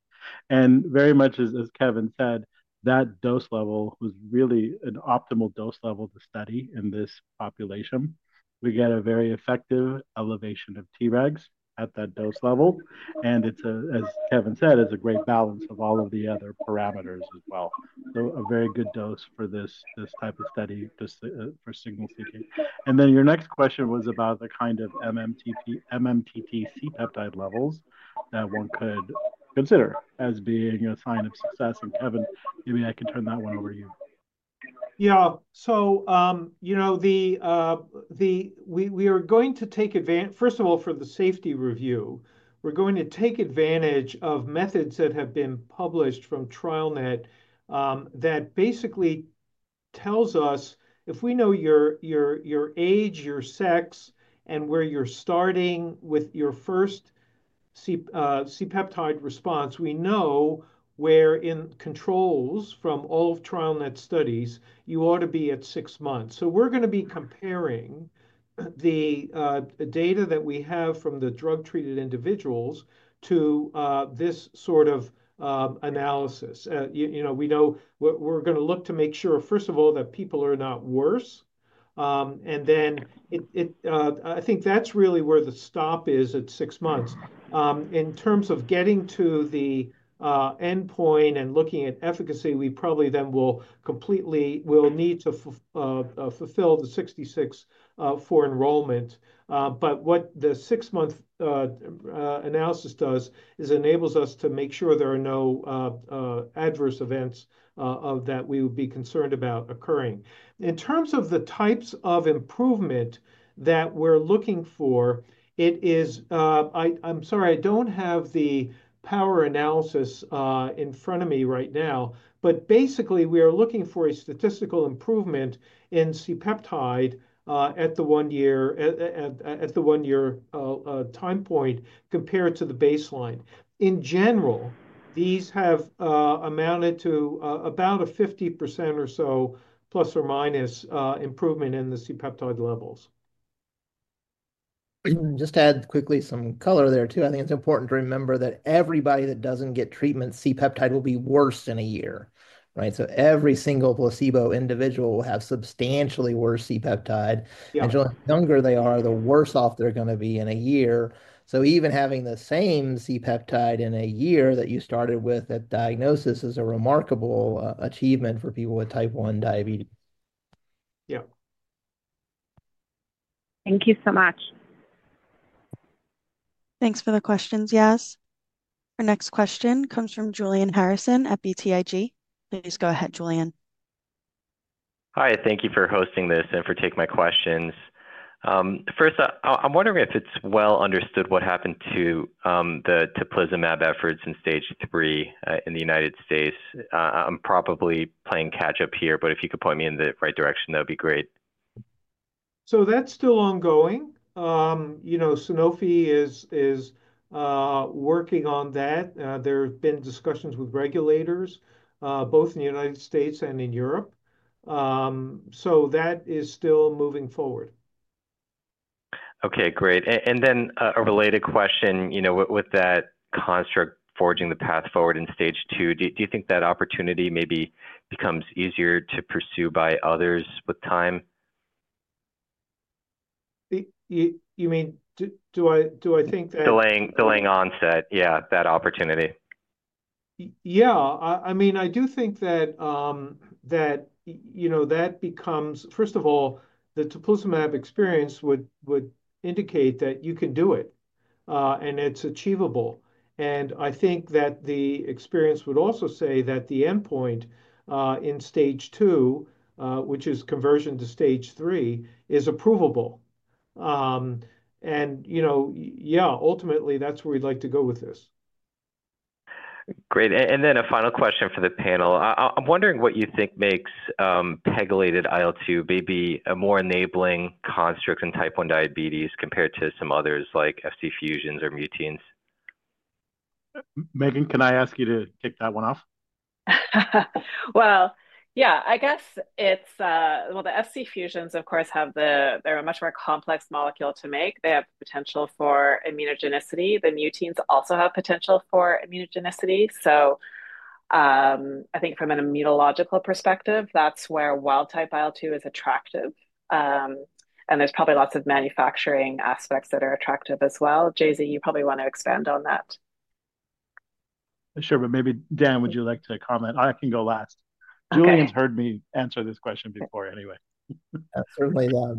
Very much as Kevan said, that dose level was really an optimal dose level to study in this population. We get a very effective elevation of Tregs at that dose level. As Kevan said, it's a great balance of all of the other parameters as well. So a very good dose for this type of study for signal seeking. And then your next question was about the kind of MMTT C-peptide levels that one could consider as being a sign of success. And Kevan, maybe I can turn that one over to you. Yeah. So we are going to take advantage, first of all, for the safety review, we're going to take advantage of methods that have been published from TrialNet that basically tells us if we know your age, your sex, and where you're starting with your first C-peptide response, we know where in controls from all of TrialNet studies, you ought to be at six months. So we're going to be comparing the data that we have from the drug-treated individuals to this sort of analysis. We know we're going to look to make sure, first of all, that people are not worse. And then I think that's really where the stop is at six months. In terms of getting to the endpoint and looking at efficacy, we probably then will completely, we'll need to fulfill the 66 for enrollment. But what the six-month analysis does is enables us to make sure there are no adverse events that we would be concerned about occurring. In terms of the types of improvement that we're looking for, it is, I'm sorry, I don't have the power analysis in front of me right now. But basically, we are looking for a statistical improvement in C-peptide at the one-year time point compared to the baseline. In general, these have amounted to about a 50% or so plus or minus improvement in the C-peptide levels. Just to add quickly some color there too. I think it's important to remember that everybody that doesn't get treatment, C-peptide will be worse in a year. So every single placebo individual will have substantially worse C-peptide. And the younger they are, the worse off they're going to be in a year. So even having the same C-peptide in a year that you started with at diagnosis is a remarkable achievement for people with Type 1 diabetes. Yeah. Thank you so much. Thanks for the questions, Yas. Our next question comes from Julian Harrison at BTIG. Please go ahead, Julian. Hi. Thank you for hosting this and for taking my questions. First, I'm wondering if it's well understood what happened to the teplizumab efforts in stage 3 in the United States. I'm probably playing catch-up here. But if you could point me in the right direction, that would be great. So that's still ongoing. Sanofi is working on that. There have been discussions with regulators, both in the United States and in Europe. So that is still moving forward. Okay, great. And then a related question. With that construct forging the path forward in stage 2, do you think that opportunity maybe becomes easier to pursue by others with time? You mean, do I think that delaying onset, yeah, that opportunity? Yeah. I mean, I do think that that becomes, first of all, the teplizumab experience would indicate that you can do it. And it's achievable. And I think that the experience would also say that the endpoint in stage 2, which is conversion to stage 3, is approvable. And yeah, ultimately, that's where we'd like to go with this. Great. And then a final question for the panel. I'm wondering what you think makes pegylated IL-2 maybe a more enabling construct in Type 1 diabetes compared to some others like Fc fusions or muteins. Megan, can I ask you to kick that one off? Yeah. The Fc fusions, of course, have. They're a much more complex molecule to make. They have potential for immunogenicity. The muteins also have potential for immunogenicity. So I think from an immunological perspective, that's where wild-type IL-2 is attractive. And there's probably lots of manufacturing aspects that are attractive as well. Jay Z, you probably want to expand on that. Sure. But maybe, Dan, would you like to comment? I can go last. Julian's heard me answer this question before anyway. Absolutely. Yeah.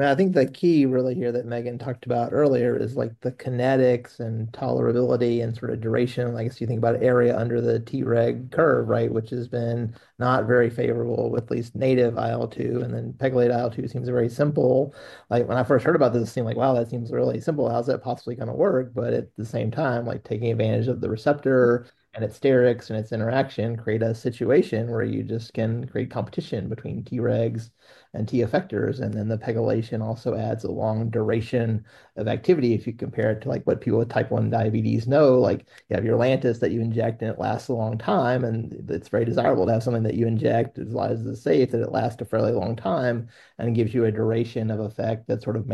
I think the key really here that Megan talked about earlier is the kinetics and tolerability and sort of duration. I guess you think about area under the Treg curve, right, which has been not very favorable with at least native IL-2. And then pegylated IL-2 seems very simple. When I first heard about this, it seemed like, "Wow, that seems really simple. How's that possibly going to work?" But at the same time, taking advantage of the receptor and its sterics and its interaction create a situation where you just can create competition between Tregs and T-effectors. And then the pegylation also adds a long duration of activity if you compare it to what people with Type 1 diabetes know. You have your Lantus that you inject, and it lasts a long time. And it's very desirable to have something that you inject as long as it's safe, that it lasts a fairly long time, and gives you a duration of effect that's sort of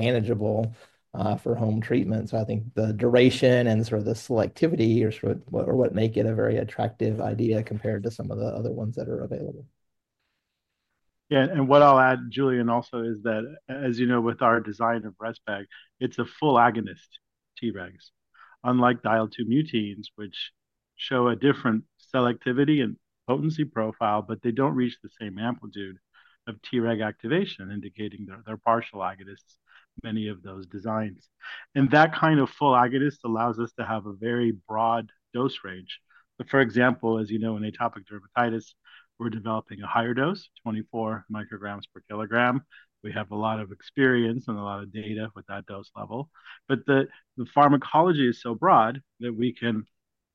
manageable for home treatment. I think the duration and sort of the selectivity or what make it a very attractive idea compared to some of the other ones that are available. Yeah. And what I'll add, Julian, also is that, as you know, with our design of REZPEG, it's a full agonist, Tregs, unlike IL-2 muteins, which show a different selectivity and potency profile, but they don't reach the same amplitude of Treg activation, indicating they're partial agonists, many of those designs. And that kind of full agonist allows us to have a very broad dose range. For example, as you know, in atopic dermatitis, we're developing a higher dose, 24 micrograms per kilogram. We have a lot of experience and a lot of data with that dose level. But the pharmacology is so broad that we can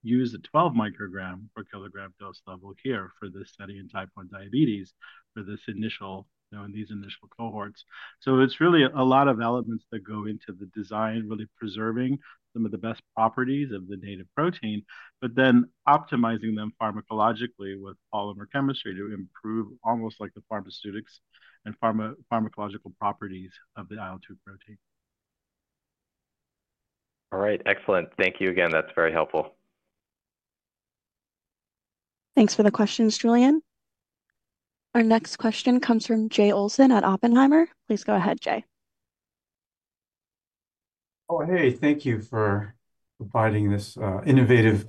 use a 12 microgram per kilogram dose level here for this study in type 1 diabetes for these initial cohorts. So it's really a lot of elements that go into the design, really preserving some of the best properties of the native protein, but then optimizing them pharmacologically with polymer chemistry to improve almost like the pharmaceutics and pharmacological properties of the IL-2 protein. All right. Excellent. Thank you again. That's very helpful. Thanks for the questions, Julian. Our next question comes from Jay Olson at Oppenheimer. Please go ahead, Jay. Oh, hey. Thank you for providing this innovative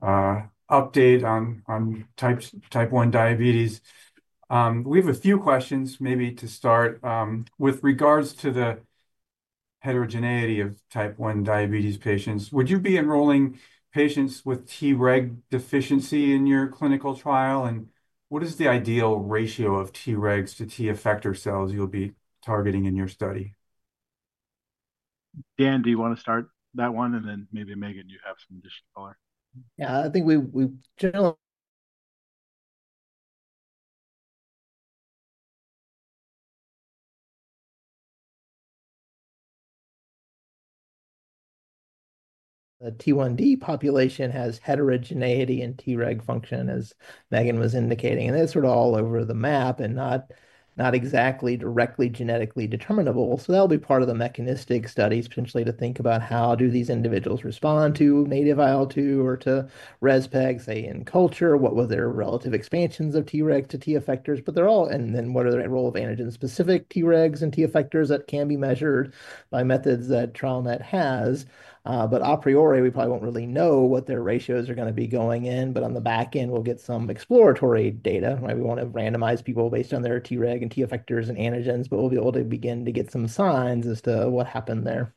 update on type 1 diabetes. We have a few questions maybe to start with regards to the heterogeneity of type 1 diabetes patients. Would you be enrolling patients with Treg deficiency in your clinical trial? What is the ideal ratio of Tregs to T-effector cells you'll be targeting in your study? Dan, do you want to start that one? And then maybe Megan, you have some additional color. Yeah. I think generally the T1D population has heterogeneity in Treg function, as Megan was indicating. That's sort of all over the map and not exactly directly genetically determinable. So that'll be part of the mechanistic studies, potentially, to think about how do these individuals respond to native IL-2 or to REZPEG, say, in culture. What were their relative expansions of Tregs to T-effectors? And then what are the role of antigen-specific Tregs and T-effectors that can be measured by methods that TrialNet has? But a priori, we probably won't really know what their ratios are going to be going in. But on the back end, we'll get some exploratory data. We won't have randomized people based on their Treg and T-effectors and antigens, but we'll be able to begin to get some signs as to what happened there.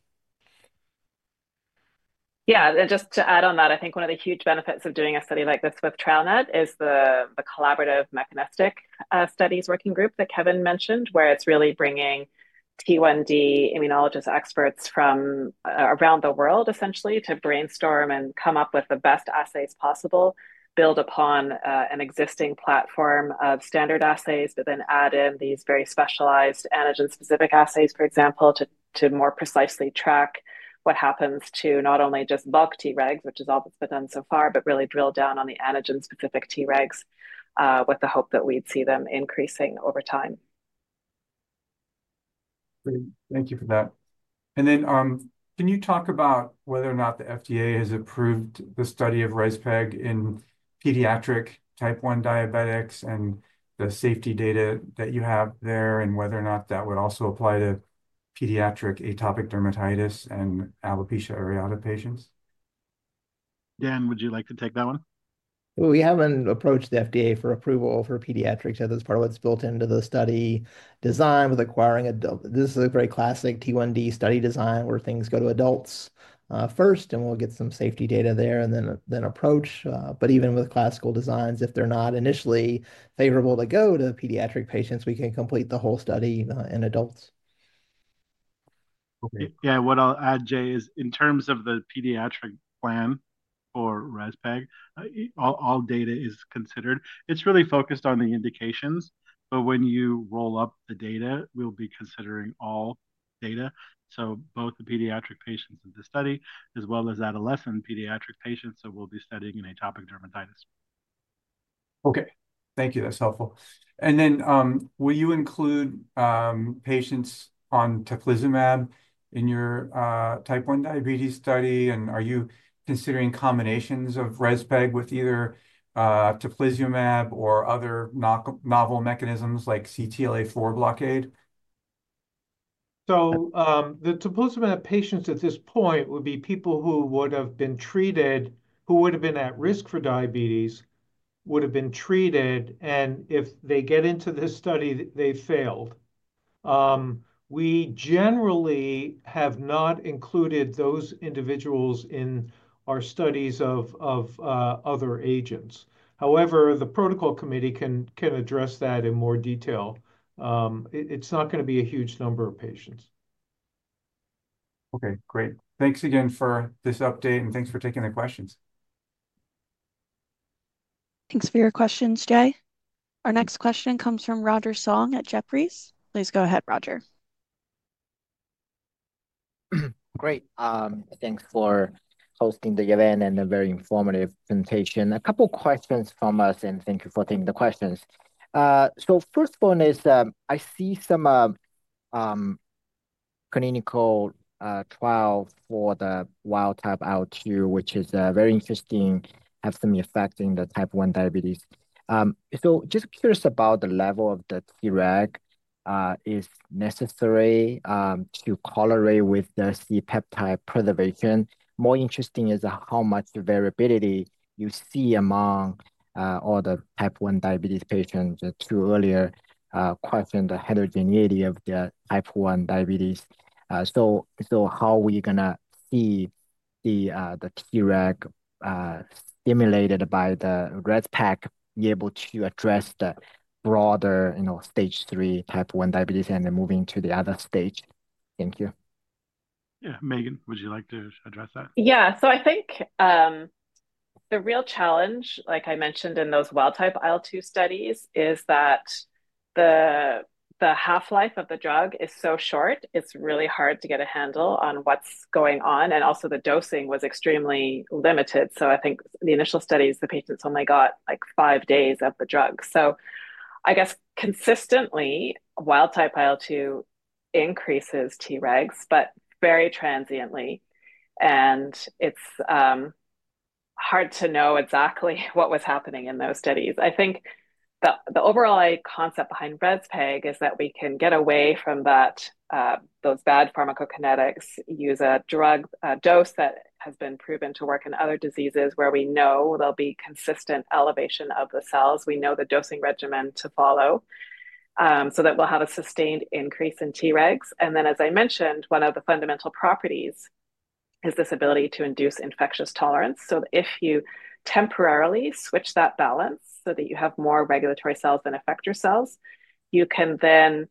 Yeah. And just to add on that, I think one of the huge benefits of doing a study like this with TrialNet is the collaborative mechanistic studies working group that Kevan mentioned, where it's really bringing T1D immunologist experts from around the world, essentially, to brainstorm and come up with the best assays possible, build upon an existing platform of standard assays, but then add in these very specialized antigen-specific assays, for example, to more precisely track what happens to not only just bulk Tregs, which has all been done so far, but really drill down on the antigen-specific Tregs with the hope that we'd see them increasing over time. Thank you for that. And then can you talk about whether or not the FDA has approved the study of REZPEG in pediatric Type 1 diabetics and the safety data that you have there and whether or not that would also apply to pediatric atopic dermatitis and alopecia areata patients? Dan, would you like to take that one? We haven't approached the FDA for approval for pediatrics as part of what's built into the study design with acquiring a. This is a very classic T1D study design where things go to adults first, and we'll get some safety data there and then approach. But even with classical designs, if they're not initially favorable to go to pediatric patients, we can complete the whole study in adults. Okay. Yeah. What I'll add, Jay, is in terms of the pediatric plan for REZPEG, all data is considered. It's really focused on the indications. But when you roll up the data, we'll be considering all data, so both the pediatric patients in this study as well as adolescent pediatric patients. So we'll be studying in atopic dermatitis. Okay. Thank you. That's helpful. And then will you include patients on teplizumab in your Type 1 diabetes study? And are you considering combinations of REZPEG with either teplizumab or other novel mechanisms like CTLA-4 blockade? So the teplizumab patients at this point would be people who would have been treated, who would have been at risk for diabetes, would have been treated. And if they get into this study, they failed. We generally have not included those individuals in our studies of other agents. However, the protocol committee can address that in more detail. It's not going to be a huge number of patients. Okay. Great. Thanks again for this update. And thanks for taking the questions. Thanks for your questions, Jay. Our next question comes from Roger Song at Jefferies. Please go ahead, Roger. Great. Thanks for hosting the event and a very informative presentation. A couple of questions from us, and thank you for taking the questions. So first one is I see some clinical trial for the wild-type IL-2, which is very interesting, have some effect in the Type 1 diabetes. So just curious about the level of the Treg. Is necessary to correlate with the C-peptide preservation? More interesting is how much variability you see among all the Type 1 diabetes patients. The two earlier questions, the heterogeneity of the Type 1 diabetes. So how are we going to see the Treg stimulated by the REZPEG be able to address the broader stage 3 Type 1 diabetes and then moving to the other stage? Thank you. Yeah. Megan, would you like to address that? Yeah. So I think the real challenge, like I mentioned in those wild-type IL-2 studies, is that the half-life of the drug is so short. It's really hard to get a handle on what's going on. And also, the dosing was extremely limited. So I think the initial studies, the patients only got like five days of the drug. So I guess consistently, wild-type IL-2 increases Tregs, but very transiently. And it's hard to know exactly what was happening in those studies. I think the overall concept behind REZPEG is that we can get away from those bad pharmacokinetics, use a drug dose that has been proven to work in other diseases where we know there'll be consistent elevation of the cells. We know the dosing regimen to follow so that we'll have a sustained increase in Tregs. And then, as I mentioned, one of the fundamental properties is this ability to induce infectious tolerance. So if you temporarily switch that balance so that you have more regulatory cells than effector cells, you can then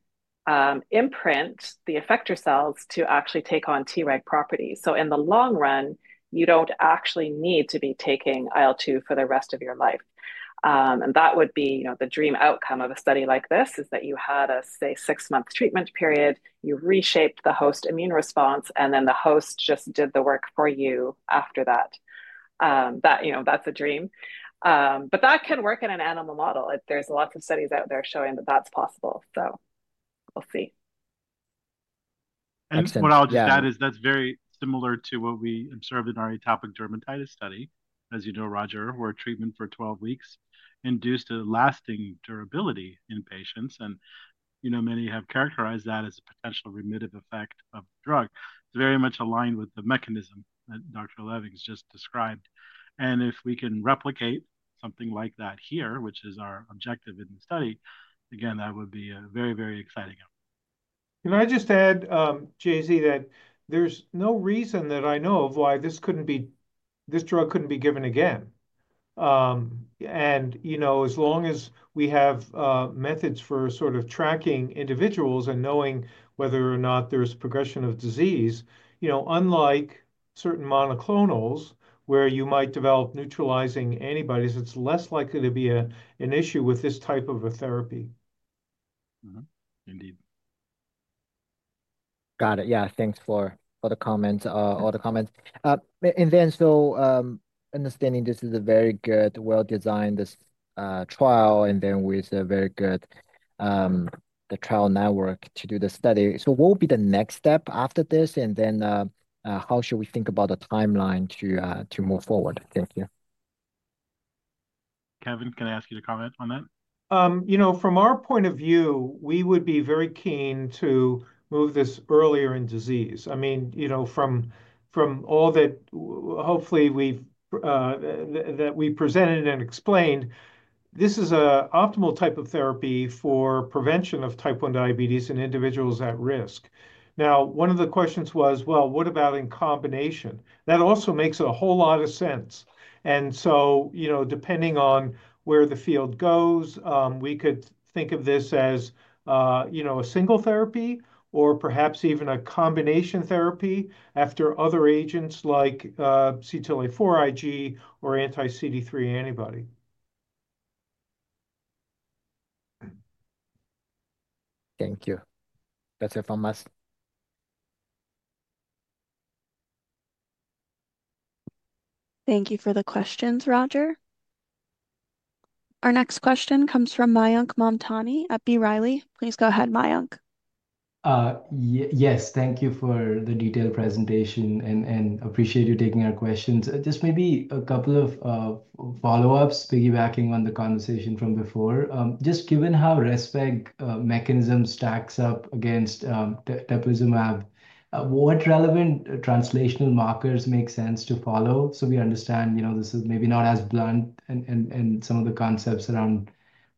imprint the effector cells to actually take on Treg properties. So in the long run, you don't actually need to be taking IL-2 for the rest of your life. And that would be the dream outcome of a study like this, is that you had a, say, six-month treatment period, you reshaped the host immune response, and then the host just did the work for you after that. That's a dream. But that can work in an animal model. There's lots of studies out there showing that that's possible. So we'll see. What I'll just add is that's very similar to what we observed in our atopic dermatitis study, as you know, Roger, where treatment for 12 weeks induced a lasting durability in patients. Many have characterized that as a potential remissive effect of the drug. It's very much aligned with the mechanism that Dr. Levings's just described. If we can replicate something like that here, which is our objective in the study, again, that would be a very, very exciting outcome. Can I just add, Jay Z, that there's no reason that I know of why this drug couldn't be given again? As long as we have methods for sort of tracking individuals and knowing whether or not there's progression of disease, unlike certain monoclonals where you might develop neutralizing antibodies, it's less likely to be an issue with this type of a therapy. Indeed. Got it. Yeah. Thanks for the comments, all the comments. And then, so, understanding this is a very good, well-designed trial, and then with a very good trial network to do the study. So, what will be the next step after this? And then, how should we think about the timeline to move forward? Thank you. Kevan, can I ask you to comment on that? From our point of view, we would be very keen to move this earlier in disease. I mean, from all that hopefully that we presented and explained, this is an optimal type of therapy for prevention of Type 1 diabetes in individuals at risk. Now, one of the questions was, well, what about in combination? That also makes a whole lot of sense. And so depending on where the field goes, we could think of this as a single therapy or perhaps even a combination therapy after other agents like CTLA-4 Ig or anti-CD3 antibody. Thank you. That's it from us. Thank you for the questions, Roger. Our next question comes from Mayank Mamtani at B. Riley. Please go ahead, Mayank. Yes. Thank you for the detailed presentation and appreciate you taking our questions. Just maybe a couple of follow-ups, piggybacking on the conversation from before. Just given how REZPEG mechanism stacks up against teplizumab, what relevant translational markers make sense to follow? So we understand this is maybe not as blunt, and some of the concepts around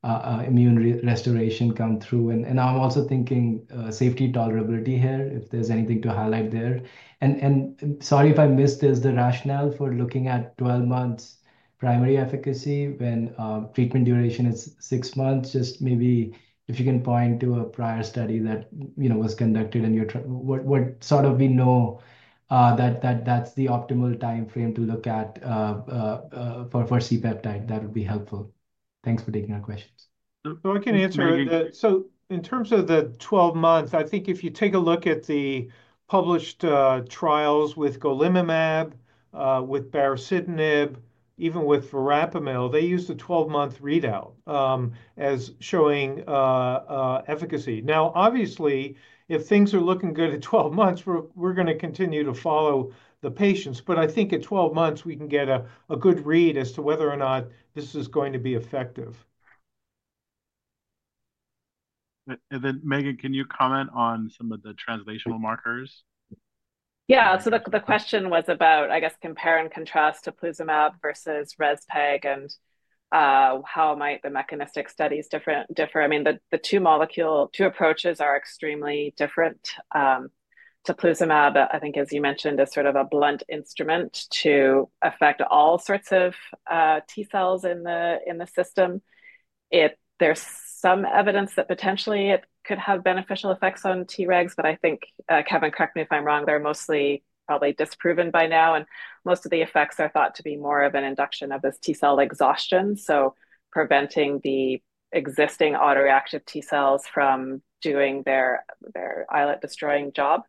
immune restoration come through. And I'm also thinking safety tolerability here, if there's anything to highlight there. Sorry if I missed this, the rationale for looking at 12 months primary efficacy when treatment duration is six months, just maybe if you can point to a prior study that was conducted and what sort of we know that that's the optimal time frame to look at for C-peptide, that would be helpful. Thanks for taking our questions. I can answer it. In terms of the 12 months, I think if you take a look at the published trials with golimumab, with baricitinib, even with verapamil, they used a 12-month readout as showing efficacy. Now, obviously, if things are looking good at 12 months, we're going to continue to follow the patients. But I think at 12 months, we can get a good read as to whether or not this is going to be effective. And then, Megan, can you comment on some of the translational markers? Yeah. So the question was about, I guess, compare and contrast teplizumab versus REZPEG and how might the mechanistic studies differ. I mean, the two approaches are extremely different. Teplizumab, I think, as you mentioned, is sort of a blunt instrument to affect all sorts of T cells in the system. There's some evidence that potentially it could have beneficial effects on Tregs, but I think, Kevan, correct me if I'm wrong, they're mostly probably disproven by now. And most of the effects are thought to be more of an induction of this T cell exhaustion, so preventing the existing autoreactive T cells from doing their islet-destroying job.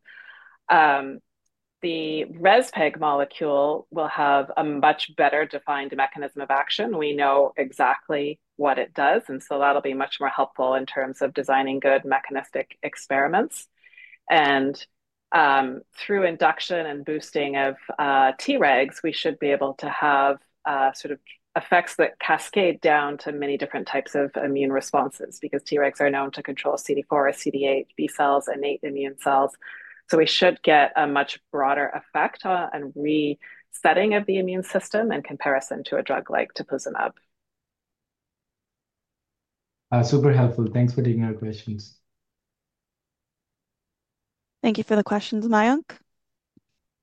The REZPEG molecule will have a much better defined mechanism of action. We know exactly what it does. And so that'll be much more helpful in terms of designing good mechanistic experiments. And through induction and boosting of Tregs, we should be able to have sort of effects that cascade down to many different types of immune responses because Tregs are known to control CD4, CD8, B cells, and innate immune cells. So we should get a much broader effect and resetting of the immune system in comparison to a drug like teplizumab. Super helpful. Thanks for taking our questions. Thank you for the questions, Mayank.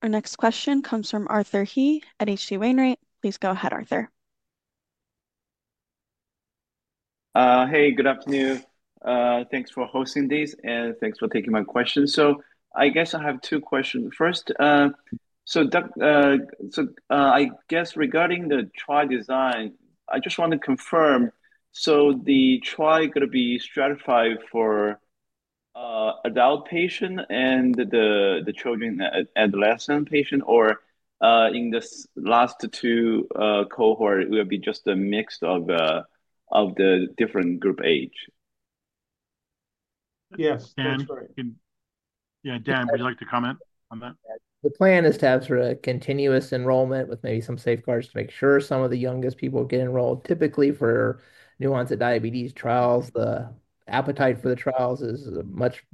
Our next question comes from Arthur He at H.C. Wainwright. Please go ahead, Arthur. Hey, good afternoon. Thanks for hosting these, and thanks for taking my questions. So I guess I have two questions. First, so I guess regarding the trial design, I just want to confirm. So the trial is going to be stratified for adult patients and the children and adolescent patients, or in the last two cohorts, it will be just a mix of the different age groups? Yes. Yeah. Dan, would you like to comment on that? The plan is to have sort of continuous enrollment with maybe some safeguards to make sure some of the youngest people get enrolled. Typically, for new-onset diabetes trials, the appetite for the trials is much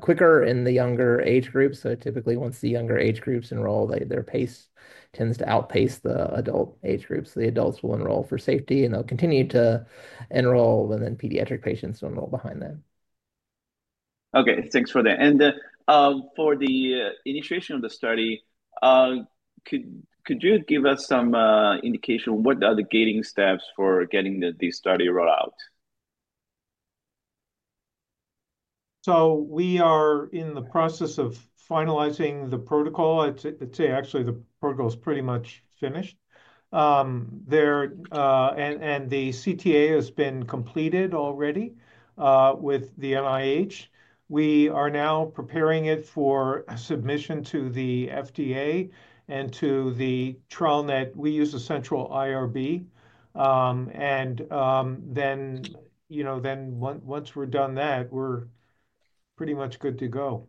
quicker in the younger age groups. So typically, once the younger age groups enroll, their pace tends to outpace the adult age groups. The adults will enroll for safety, and they'll continue to enroll, and then pediatric patients will enroll behind them. Okay. Thanks for that. And for the initiation of the study, could you give us some indication of what are the gating steps for getting the study rolled out? We are in the process of finalizing the protocol. I'd say, actually, the protocol is pretty much finished. And the CTA has been completed already with the NIH. We are now preparing it for submission to the FDA and to the TrialNet. We use a central IRB. And then once we're done that, we're pretty much good to go.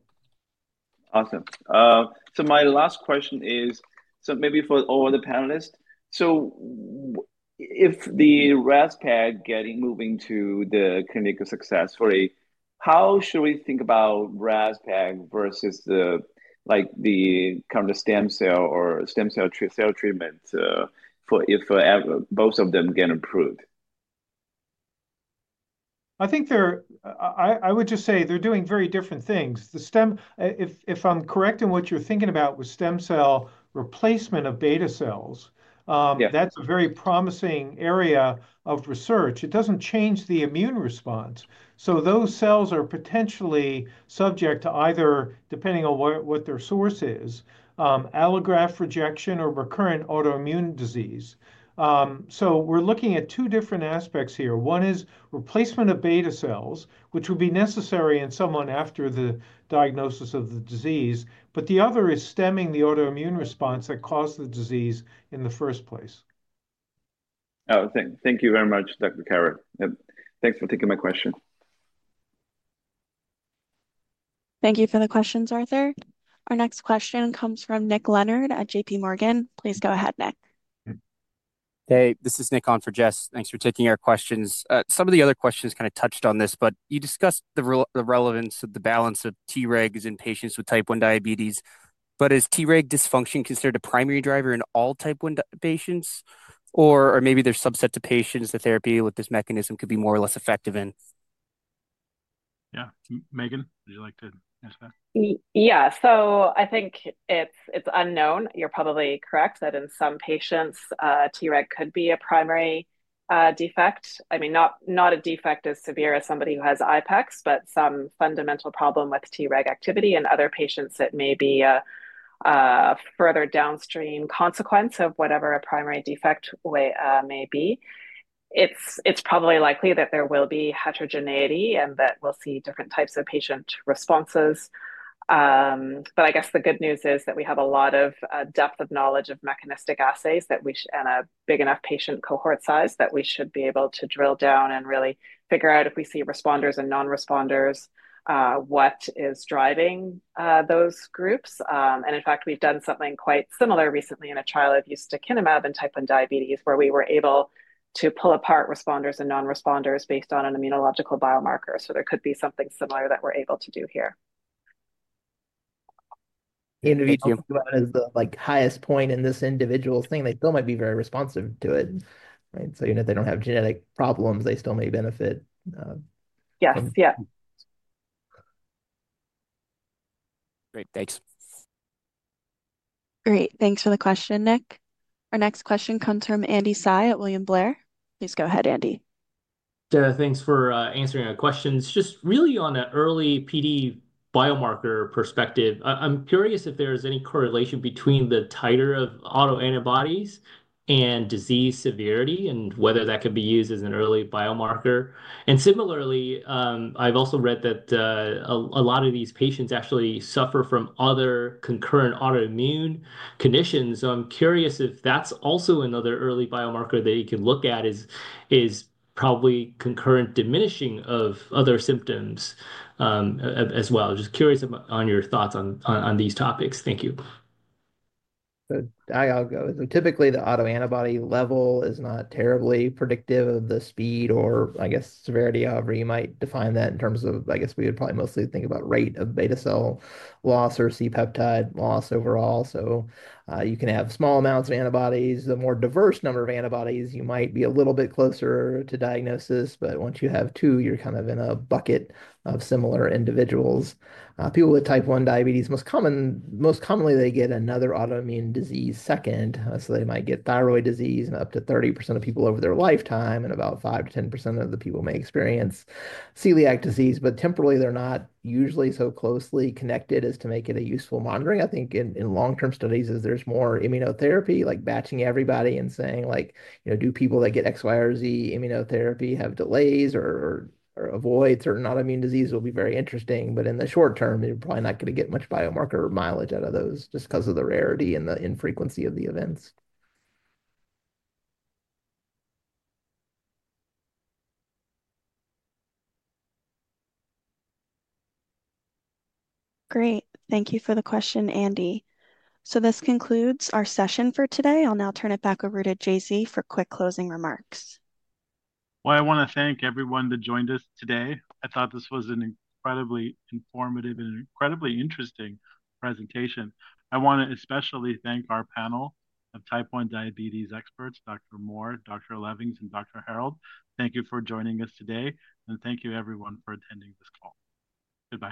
Awesome. So my last question is, so maybe for all the panelists, so if the REZPEG is moving to the clinical success story, how should we think about REZPEG versus the kind of stem cell or stem cell cell treatment if both of them get approved? I think I would just say they're doing very different things. If I'm correct in what you're thinking about with stem cell replacement of beta cells, that's a very promising area of research. It doesn't change the immune response. So those cells are potentially subject to either, depending on what their source is, allograft rejection or recurrent autoimmune disease. So we're looking at two different aspects here. One is replacement of beta cells, which would be necessary in someone after the diagnosis of the disease, but the other is stemming the autoimmune response that caused the disease in the first place. Thank you very much, Dr. Carroll. Thanks for taking my question. Thank you for the questions, Arthur. Our next question comes from Nick Leonard at J.P. Morgan. Please go ahead, Nick. Hey, this is Nick on for Jess. Thanks for taking our questions. Some of the other questions kind of touched on this, but you discussed the relevance of the balance of Tregs in patients with Type 1 diabetes. But is Treg dysfunction considered a primary driver in all Type 1 patients? Or maybe there's a subset of patients the therapy with this mechanism could be more or less effective in? Yeah. Megan, would you like to answer that? Yeah. So I think it's unknown. You're probably correct that in some patients, Treg could be a primary defect. I mean, not a defect as severe as somebody who has IPEX, but some fundamental problem with Treg activity in other patients that may be a further downstream consequence of whatever a primary defect may be. It's probably likely that there will be heterogeneity and that we'll see different types of patient responses. But I guess the good news is that we have a lot of depth of knowledge of mechanistic assays and a big enough patient cohort size that we should be able to drill down and really figure out if we see responders and non-responders, what is driving those groups. And in fact, we've done something quite similar recently in a trial of ustekinumab in Type 1 diabetes where we were able to pull apart responders and non-responders based on an immunological biomarker. So there could be something similar that we're able to do here. Indeed. The highest point in this individual thing, they still might be very responsive to it. So even if they don't have genetic problems, they still may benefit. Yes. Yeah. Great. Thanks. Great. Thanks for the question, Nick. Our next question comes from Andy Hsieh at William Blair. Please go ahead, Andy. Thanks for answering our questions. Just really on an early PD biomarker perspective, I'm curious if there is any correlation between the titer of autoantibodies and disease severity and whether that could be used as an early biomarker. Similarly, I've also read that a lot of these patients actually suffer from other concurrent autoimmune conditions. I'm curious if that's also another early biomarker that you could look at, is probably concurrent diminishing of other symptoms as well. Just curious on your thoughts on these topics. Thank you. I'll go. Typically, the autoantibody level is not terribly predictive of the speed or, I guess, severity of where you might define that in terms of, I guess, we would probably mostly think about rate of beta cell loss or C-peptide loss overall. You can have small amounts of antibodies. The more diverse number of antibodies, you might be a little bit closer to diagnosis. But once you have two, you're kind of in a bucket of similar individuals. People with Type 1 diabetes, most commonly, they get another autoimmune disease second. So they might get thyroid disease in up to 30% of people over their lifetime, and about 5%-10% of the people may experience celiac disease. But temporally, they're not usually so closely connected as to make it a useful monitoring. I think in long-term studies, as there's more immunotherapy, like batching everybody and saying, "Do people that get X, Y, or Z immunotherapy have delays or avoid certain autoimmune diseases?" will be very interesting. But in the short term, you're probably not going to get much biomarker mileage out of those just because of the rarity and the infrequency of the events. Great. Thank you for the question, Andy. So this concludes our session for today. I'll now turn it back over to Jay Z for quick closing remarks. Well, I want to thank everyone that joined us today. I thought this was an incredibly informative and incredibly interesting presentation. I want to especially thank our panel of type 1 diabetes experts, Dr. Moore, Dr. Levings, and Dr. Herold. Thank you for joining us today. Thank you, everyone, for attending this call. Goodbye.